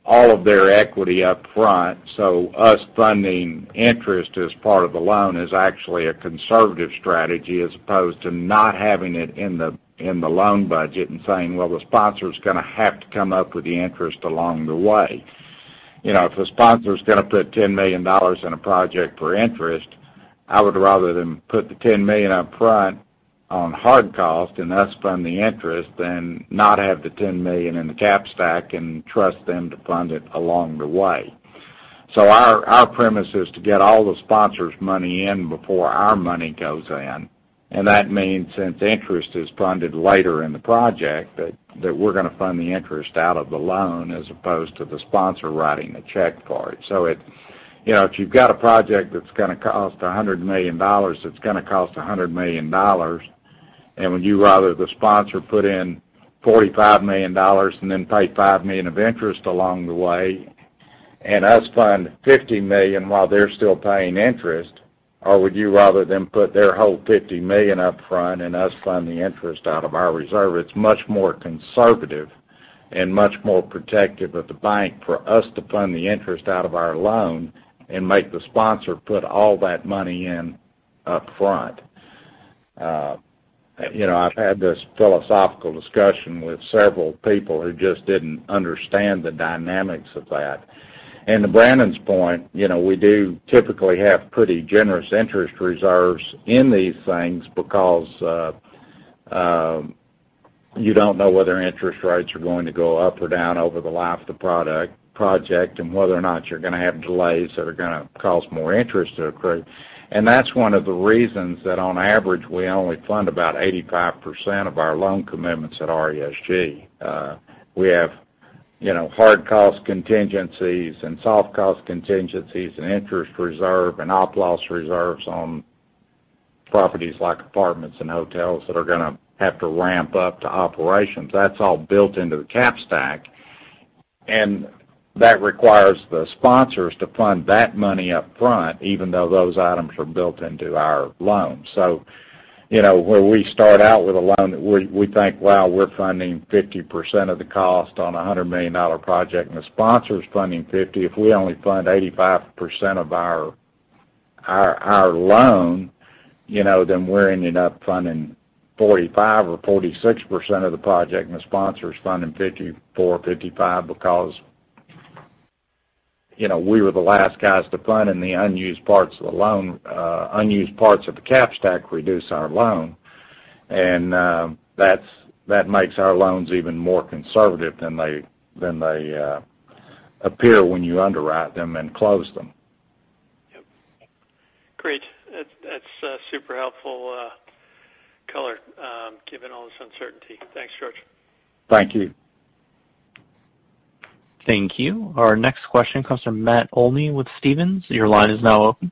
all of their equity up front. Us funding interest as part of the loan is actually a conservative strategy, as opposed to not having it in the loan budget and saying, well, the sponsor's going to have to come up with the interest along the way. If a sponsor's going to put $10 million in a project for interest, I would rather them put the $10 million up front on hard cost and us fund the interest, than not have the $10 million in the cap stack and trust them to fund it along the way. Our premise is to get all the sponsor's money in before our money goes in. That means since interest is funded later in the project, that we're going to fund the interest out of the loan as opposed to the sponsor writing the check for it. If you've got a project that's going to cost $100 million, it's going to cost $100 million. Would you rather the sponsor put in $45 million and then pay $5 million of interest along the way, and us fund $50 million while they're still paying interest? Would you rather them put their whole $50 million up front and us fund the interest out of our reserve? It's much more conservative and much more protective of the bank for us to fund the interest out of our loan and make the sponsor put all that money in up front. I've had this philosophical discussion with several people who just didn't understand the dynamics of that. To Brannon's point, we do typically have pretty generous interest reserves in these things because you don't know whether interest rates are going to go up or down over the life of the project, and whether or not you're going to have delays that are going to cause more interest to accrue. That's one of the reasons that on average, we only fund about 85% of our loan commitments at RESG. We have hard cost contingencies and soft cost contingencies and interest reserve and op loss reserves on properties like apartments and hotels that are going to have to ramp up to operations. That's all built into the cap stack. That requires the sponsors to fund that money up front, even though those items are built into our loans. Where we start out with a loan that we think, wow, we're funding 50% of the cost on a $100 million project, and the sponsor's funding 50%. If we only fund 85% of our loan, then we're ending up funding 45% or 46% of the project, and the sponsor's funding 54% or 55% because we were the last guys to fund, and the unused parts of the cap stack reduce our loan. That makes our loans even more conservative than they appear when you underwrite them and close them.
Yep. Great. That's super helpful color given all this uncertainty. Thanks, George.
Thank you.
Thank you. Our next question comes from Matt Olney with Stephens. Your line is now open.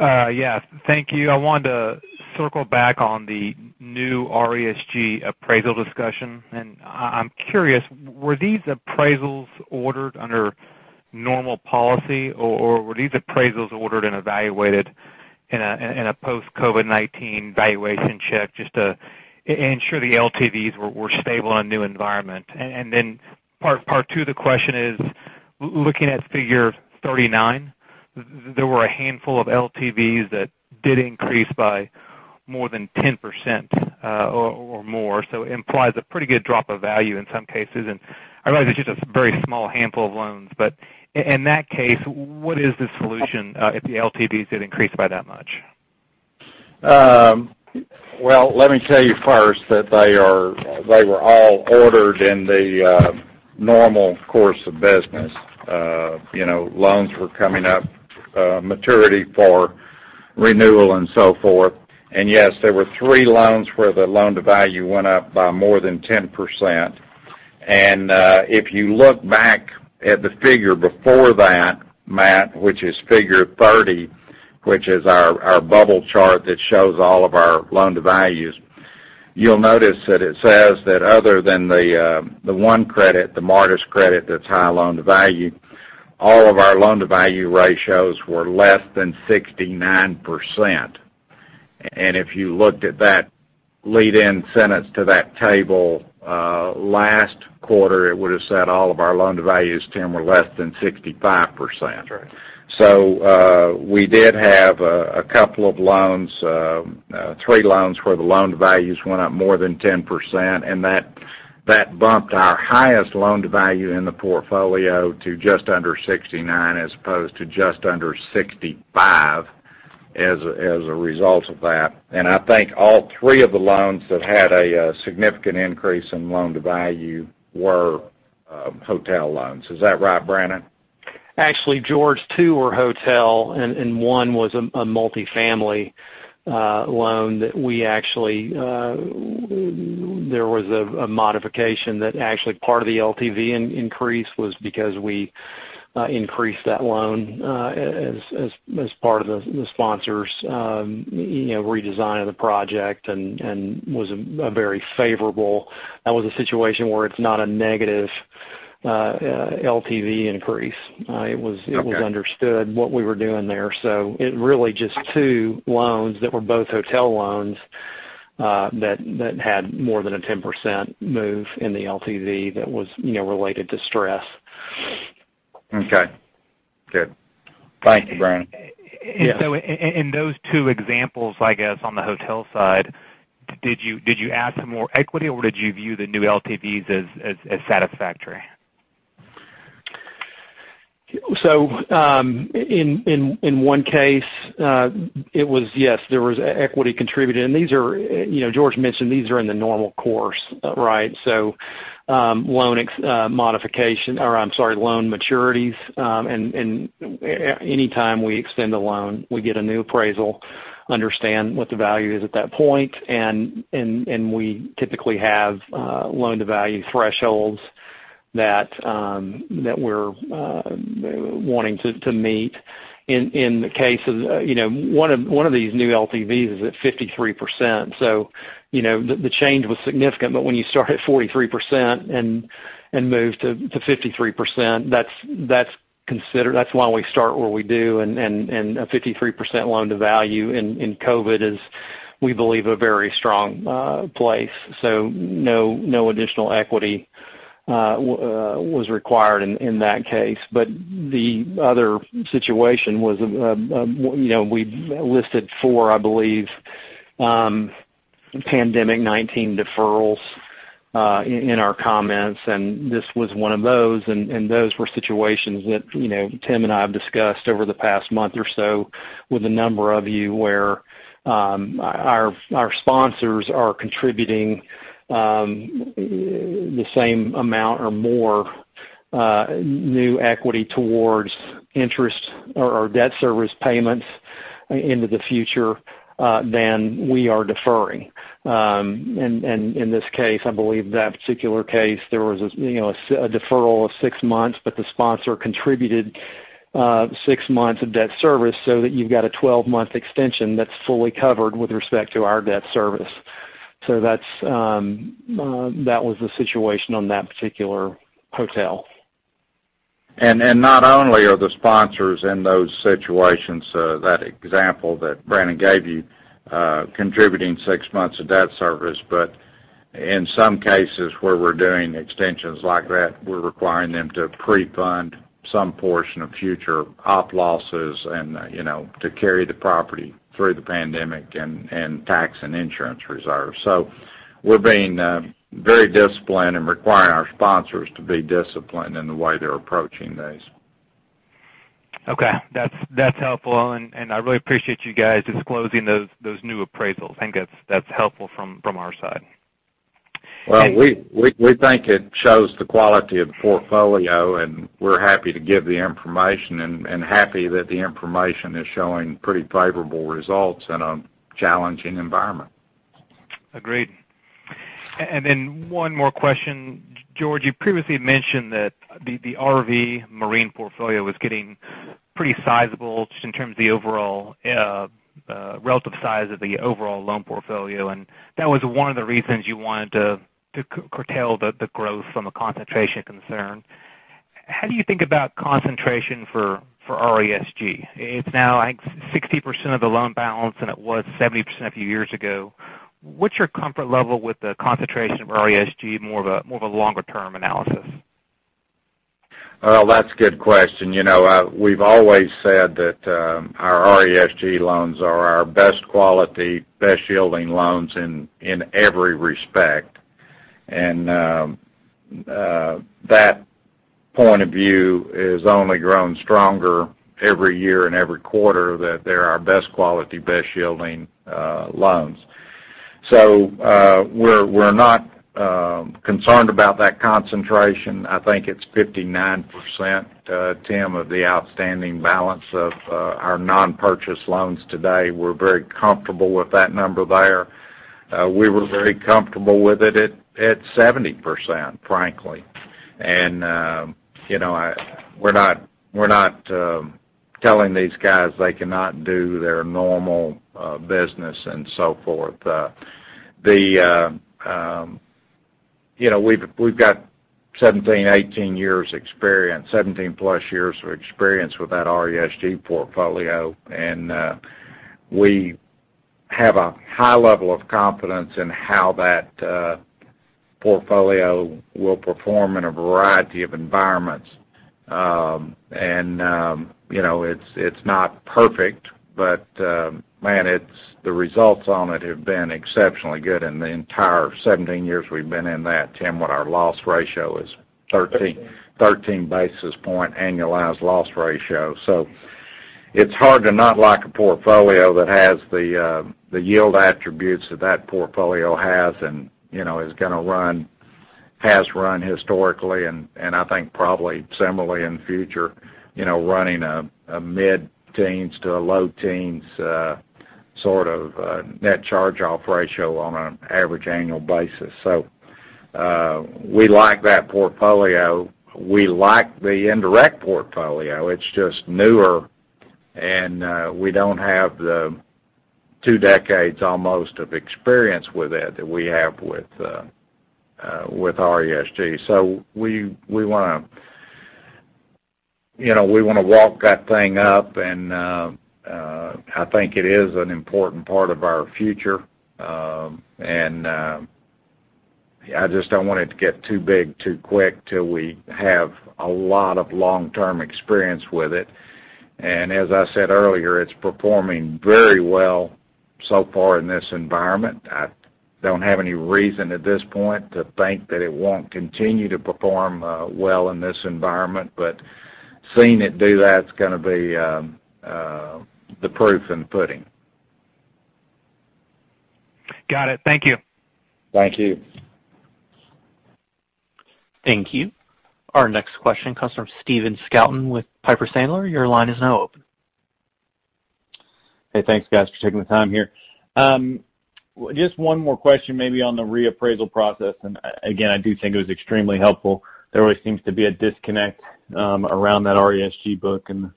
Yeah. Thank you. I wanted to circle back on the new RESG appraisal discussion. I'm curious, were these appraisals ordered under normal policy, or were these appraisals ordered and evaluated in a post-COVID-19 valuation check just to ensure the LTVs were stable in a new environment? Part two of the question is, looking at figure 39, there were a handful of LTVs that did increase by more than 10% or more. It implies a pretty good drop of value in some cases. I realize it's just a very small handful of loans. In that case, what is the solution if the LTVs did increase by that much?
Well, let me tell you first that they were all ordered in the normal course of business. Loans were coming up maturity for renewal and so forth. Yes, there were three loans where the loan-to-value went up by more than 10%. If you look back at the figure before that, Matt, which is figure 30, which is our bubble chart that shows all of our loan-to-values, you'll notice that it says that other than the one credit, the Martis credit, that's high loan-to-value, all of our loan-to-value ratios were less than 69%. If you looked at that lead-in sentence to that table, last quarter, it would've said all of our loan-to-values, Tim, were less than 65%.
That's right.
We did have a couple of loans, three loans where the loan-to-values went up more than 10%, and that bumped our highest loan-to-value in the portfolio to just under 69% as opposed to just under 65% as a result of that. I think all three of the loans that had a significant increase in loan-to-value were hotel loans. Is that right, Brannon?
Actually, George, two were hotel and one was a multifamily loan that there was a modification that actually part of the LTV increase was because we increased that loan as part of the sponsors redesign of the project, and was a very favorable. That was a situation where it's not a negative LTV increase.
Okay.
It was understood what we were doing there. It really just two loans that were both hotel loans, that had more than a 10% move in the LTV that was related to stress.
Okay, good. Thank you, Brannon.
Yeah.
In those two examples, I guess, on the hotel side, did you add some more equity, or did you view the new LTVs as satisfactory?
In one case, it was, yes, there was equity contributed. George mentioned these are in the normal course, right? Loan maturities, and any time we extend a loan, we get a new appraisal, understand what the value is at that point, and we typically have loan-to-value thresholds that we're wanting to meet. In the case of one of these new LTVs is at 53%. The change was significant, but when you start at 43% and move to 53%, that's why we start where we do, and a 53% loan-to-value in COVID is, we believe, a very strong place. No additional equity was required in that case. The other situation was, we listed four, I believe, COVID-19 deferrals, in our comments, and this was one of those, and those were situations that Tim and I have discussed over the past month or so with a number of you, where our sponsors are contributing the same amount or more new equity towards interest or debt service payments into the future, than we are deferring. In this case, I believe that particular case, there was a deferral of six months, but the sponsor contributed six months of debt service so that you've got a 12-month extension that's fully covered with respect to our debt service. That was the situation on that particular hotel.
Not only are the sponsors in those situations, that example that Brannon gave you, contributing six months of debt service, but in some cases where we're doing extensions like that, we're requiring them to pre-fund some portion of future op losses and to carry the property through the pandemic, and tax and insurance reserves. We're being very disciplined and requiring our sponsors to be disciplined in the way they're approaching these.
Okay. That's helpful, and I really appreciate you guys disclosing those new appraisals. I think that's helpful from our side.
Well, we think it shows the quality of the portfolio, and we're happy to give the information and happy that the information is showing pretty favorable results in a challenging environment.
Agreed. One more question. George, you previously mentioned that the RV marine portfolio was getting pretty sizable just in terms of the overall relative size of the overall loan portfolio, and that was one of the reasons you wanted to curtail the growth from a concentration concern. How do you think about concentration for RESG? It's now, I think, 60% of the loan balance, and it was 70% a few years ago. What's your comfort level with the concentration of RESG, more of a longer-term analysis?
Well, that's a good question. We've always said that our RESG loans are our best quality, best-yielding loans in every respect. That point of view has only grown stronger every year and every quarter that they're our best quality, best-yielding loans. We're not concerned about that concentration. I think it's 59%, Tim, of the outstanding balance of our non-purchase loans today. We're very comfortable with that number there. We were very comfortable with it at 70%, frankly. We're not telling these guys they cannot do their normal business and so forth. We've got 17, 18 years experience, 17+ years of experience with that RESG portfolio, and we have a high level of confidence in how that portfolio will perform in a variety of environments. It's not perfect, but, man, the results on it have been exceptionally good in the entire 17 years we've been in that, Tim. What our loss ratio is, 13 basis point annualized loss ratio. It's hard to not like a portfolio that has the yield attributes that that portfolio has and is going to run, has run historically, and I think probably similarly in future, running a mid-teens to a low teens sort of net charge-off ratio on an average annual basis. We like that portfolio. We like the indirect portfolio. It's just newer, and we don't have the two decades almost of experience with it that we have with RESG. We want to walk that thing up, and I think it is an important part of our future. I just don't want it to get too big too quick till we have a lot of long-term experience with it. As I said earlier, it's performing very well so far in this environment. I don't have any reason at this point to think that it won't continue to perform well in this environment, but seeing it do that is going to be the proof in the pudding.
Got it. Thank you.
Thank you.
Thank you. Our next question comes from Stephen Scouten with Piper Sandler. Your line is now open.
Hey, thanks guys for taking the time here. Just one more question maybe on the reappraisal process. Again, I do think it was extremely helpful. There always seems to be a disconnect around that RESG book, and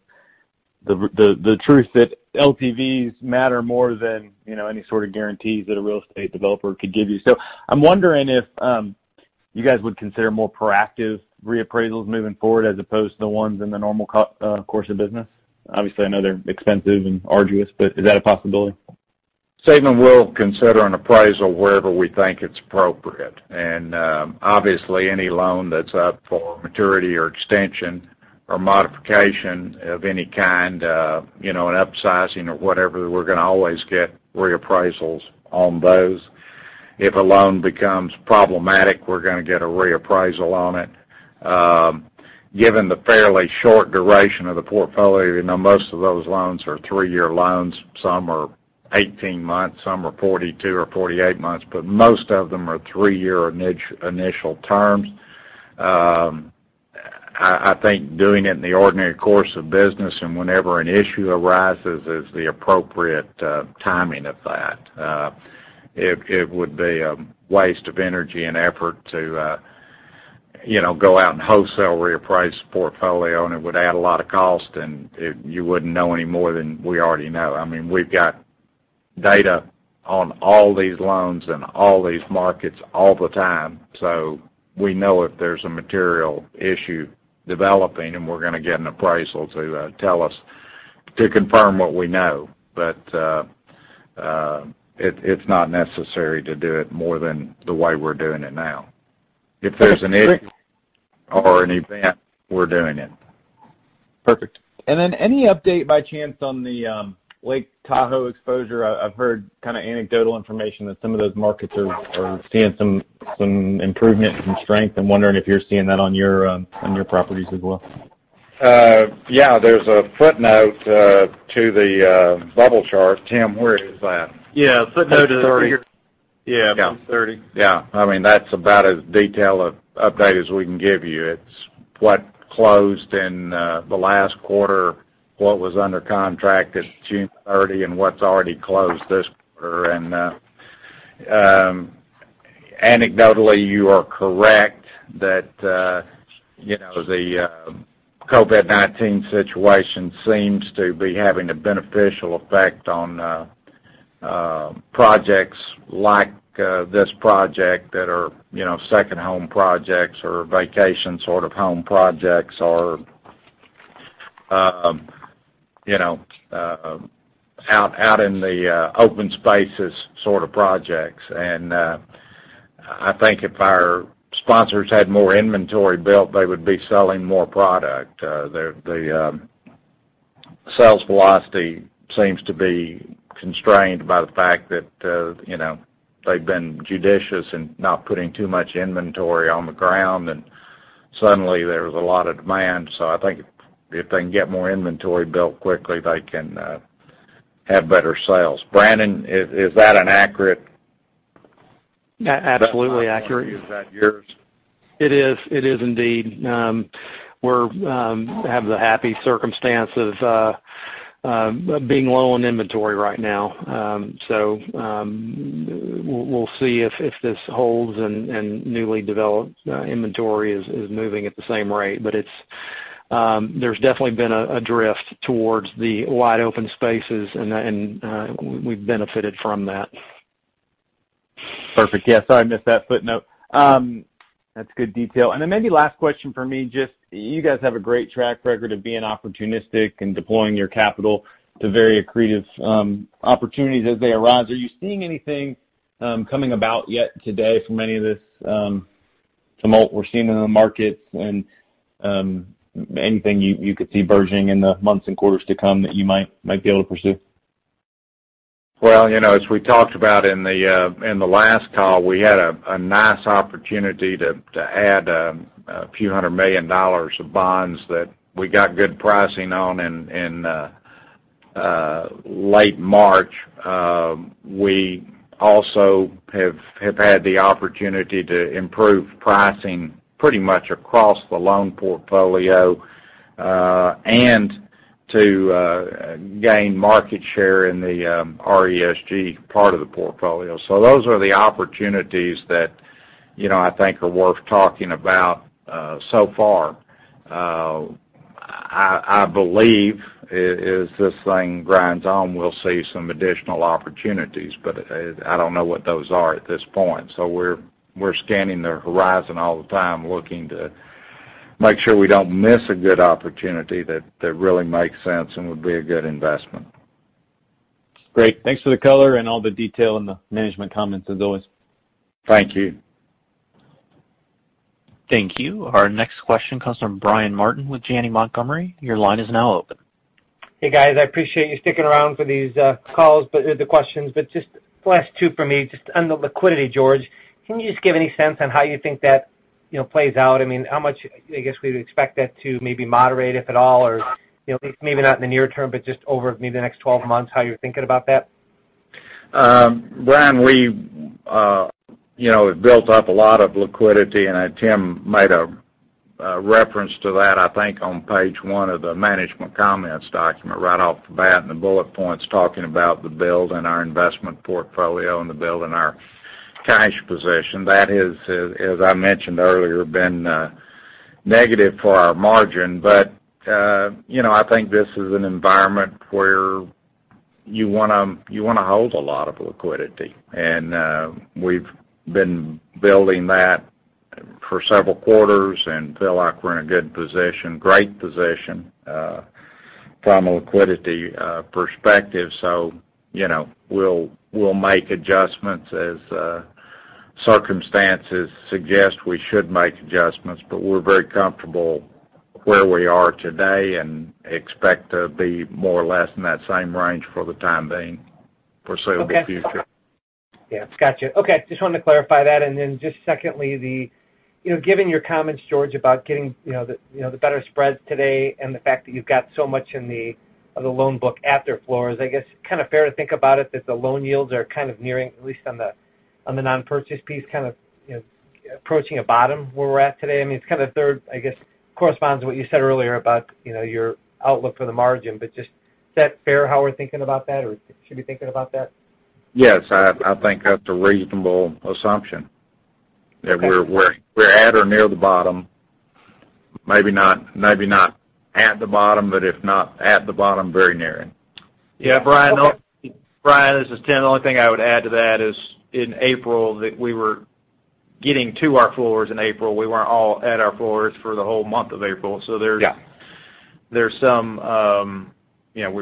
the truth that LTVs matter more than any sort of guarantees that a real estate developer could give you. I'm wondering if you guys would consider more proactive reappraisals moving forward as opposed to the ones in the normal course of business. Obviously, I know they're expensive and arduous. Is that a possibility?
Stephen, we'll consider an appraisal wherever we think it's appropriate. Obviously any loan that's up for maturity or extension or modification of any kind, an upsizing or whatever, we're going to always get reappraisals on those. If a loan becomes problematic, we're going to get a reappraisal on it. Given the fairly short duration of the portfolio, most of those loans are three-year loans. Some are 18 months, some are 42 or 48 months, but most of them are three-year initial terms. I think doing it in the ordinary course of business and whenever an issue arises is the appropriate timing of that. It would be a waste of energy and effort to go out and wholesale reappraise the portfolio, and it would add a lot of cost, and you wouldn't know any more than we already know. We've got data on all these loans and all these markets all the time. We know if there's a material issue developing, and we're going to get an appraisal to tell us to confirm what we know. It's not necessary to do it more than the way we're doing it now. If there's an issue or an event, we're doing it.
Perfect. Any update by chance on the Lake Tahoe exposure? I've heard kind of anecdotal information that some of those markets are seeing some improvement and some strength. I'm wondering if you're seeing that on your properties as well.
Yeah. There's a footnote to the bubble chart. Tim, where is that?
Yeah. Footnote is here.
Yeah.
Yeah, page 30.
Yeah. That's about as detailed update as we can give you. It's what closed in the last quarter, what was under contract at June 30, and what's already closed this quarter. Anecdotally, you are correct that the COVID-19 situation seems to be having a beneficial effect on projects like this project that are second-home projects or vacation sort of home projects, or out in the open spaces sort of projects. I think if our sponsors had more inventory built, they would be selling more product. The sales velocity seems to be constrained by the fact that they've been judicious in not putting too much inventory on the ground. Suddenly there was a lot of demand. I think if they can get more inventory built quickly, they can have better sales. Brannon, is that an accurate-
Absolutely accurate.
Is that yours?
It is indeed. We have the happy circumstance of being low on inventory right now. We'll see if this holds and newly developed inventory is moving at the same rate. There's definitely been a drift towards the wide-open spaces, and we've benefited from that.
Perfect. Yeah, sorry, I missed that footnote. That's good detail. Maybe last question for me, just you guys have a great track record of being opportunistic and deploying your capital to very accretive opportunities as they arise. Are you seeing anything coming about yet today from any of this tumult we're seeing in the markets and anything you could see burgeoning in the months and quarters to come that you might be able to pursue?
As we talked about in the last call, we had a nice opportunity to add a few hundred million dollars of bonds that we got good pricing on in late March. We also have had the opportunity to improve pricing pretty much across the loan portfolio, and to gain market share in the RESG part of the portfolio. Those are the opportunities that I think are worth talking about so far. I believe, as this thing grinds on, we'll see some additional opportunities, but I don't know what those are at this point. We're scanning the horizon all the time, looking to make sure we don't miss a good opportunity that really makes sense and would be a good investment.
Great. Thanks for the color and all the detail in the management comments as always.
Thank you.
Thank you. Our next question comes from Brian Martin with Janney Montgomery. Your line is now open.
Hey, guys. I appreciate you sticking around for these calls, the questions. Just last two for me, just on the liquidity, George, can you just give any sense on how you think that plays out? How much, I guess, we'd expect that to maybe moderate, if at all, or at least maybe not in the near term, but just over maybe the next 12 months, how you're thinking about that?
Brian, we built up a lot of liquidity. Tim made a reference to that, I think on page one of the management comments document right off the bat in the bullet points talking about the build in our investment portfolio and the build in our cash position. That has, as I mentioned earlier, been negative for our margin. I think this is an environment where you want to hold a lot of liquidity. We've been building that for several quarters and feel like we're in a good position, great position from a liquidity perspective. We'll make adjustments as circumstances suggest we should make adjustments. We're very comfortable where we are today and expect to be more or less in that same range for the time being, foreseeable future.
Okay. Yeah, gotcha. Okay, just wanted to clarify that. Then just secondly, given your comments, George, about getting the better spreads today and the fact that you've got so much of the loan book at their floors, I guess kind of fair to think about it that the loan yields are kind of nearing, at least on the non-purchase piece, kind of approaching a bottom where we're at today? It kind of, I guess, corresponds to what you said earlier about your outlook for the margin. Just is that fair how we're thinking about that, or should be thinking about that?
Yes. I think that's a reasonable assumption.
Okay.
We're at or near the bottom. Maybe not at the bottom, but if not at the bottom, very near it.
Yeah, Brian, this is Tim. The only thing I would add to that is in April that we were getting to our floors in April. We weren't all at our floors for the whole month of April. Yeah.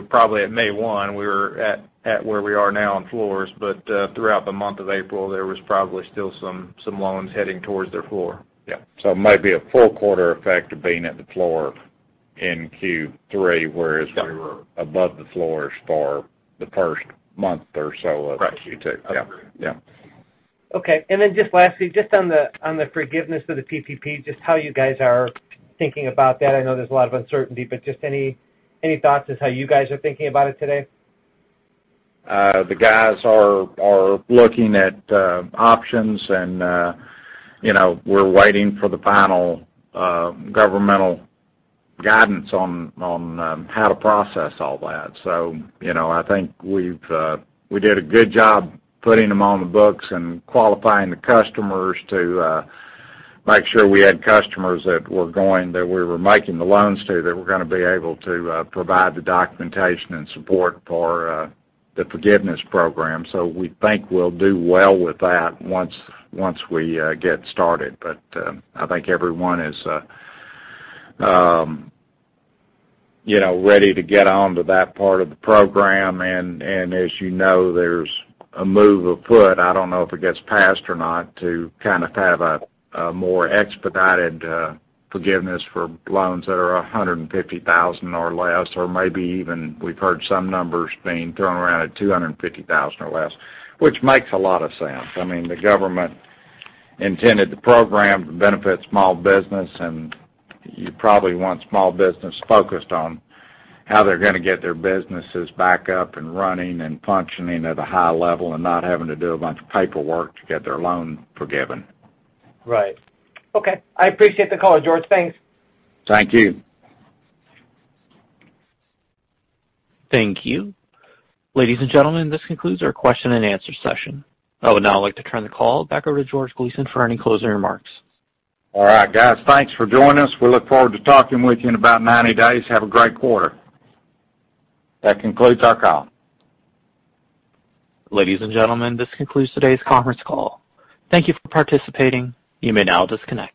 Probably at May 1, we were at where we are now on floors. Throughout the month of April, there was probably still some loans heading towards their floor.
Yeah. It may be a full quarter effect of being at the floor in Q3, whereas we were above the floors for the first month or so of Q2.
Correct. Agree.
Yeah.
Okay. Then just lastly, just on the forgiveness of the PPP, just how you guys are thinking about that? I know there's a lot of uncertainty, but just any thoughts as how you guys are thinking about it today?
The guys are looking at options, and we're waiting for the final governmental guidance on how to process all that. I think we did a good job putting them on the books and qualifying the customers to make sure we had customers that we were making the loans to, that were going to be able to provide the documentation and support for the forgiveness program. We think we'll do well with that once we get started. I think everyone is ready to get onto that part of the program. As you know, there's a move afoot, I don't know if it gets passed or not, to kind of have a more expedited forgiveness for loans that are 150,000 or less, or maybe even we've heard some numbers being thrown around at 250,000 or less, which makes a lot of sense. The government intended the program to benefit small business, and you probably want small business focused on how they're going to get their businesses back up and running and functioning at a high level and not having to do a bunch of paperwork to get their loan forgiven.
Right. Okay. I appreciate the color, George. Thanks.
Thank you.
Thank you. Ladies and gentlemen, this concludes our question and answer session. I would now like to turn the call back over to George Gleason for any closing remarks.
All right, guys. Thanks for joining us. We look forward to talking with you in about 90 days. Have a great quarter. That concludes our call.
Ladies and gentlemen, this concludes today's conference call. Thank you for participating. You may now disconnect.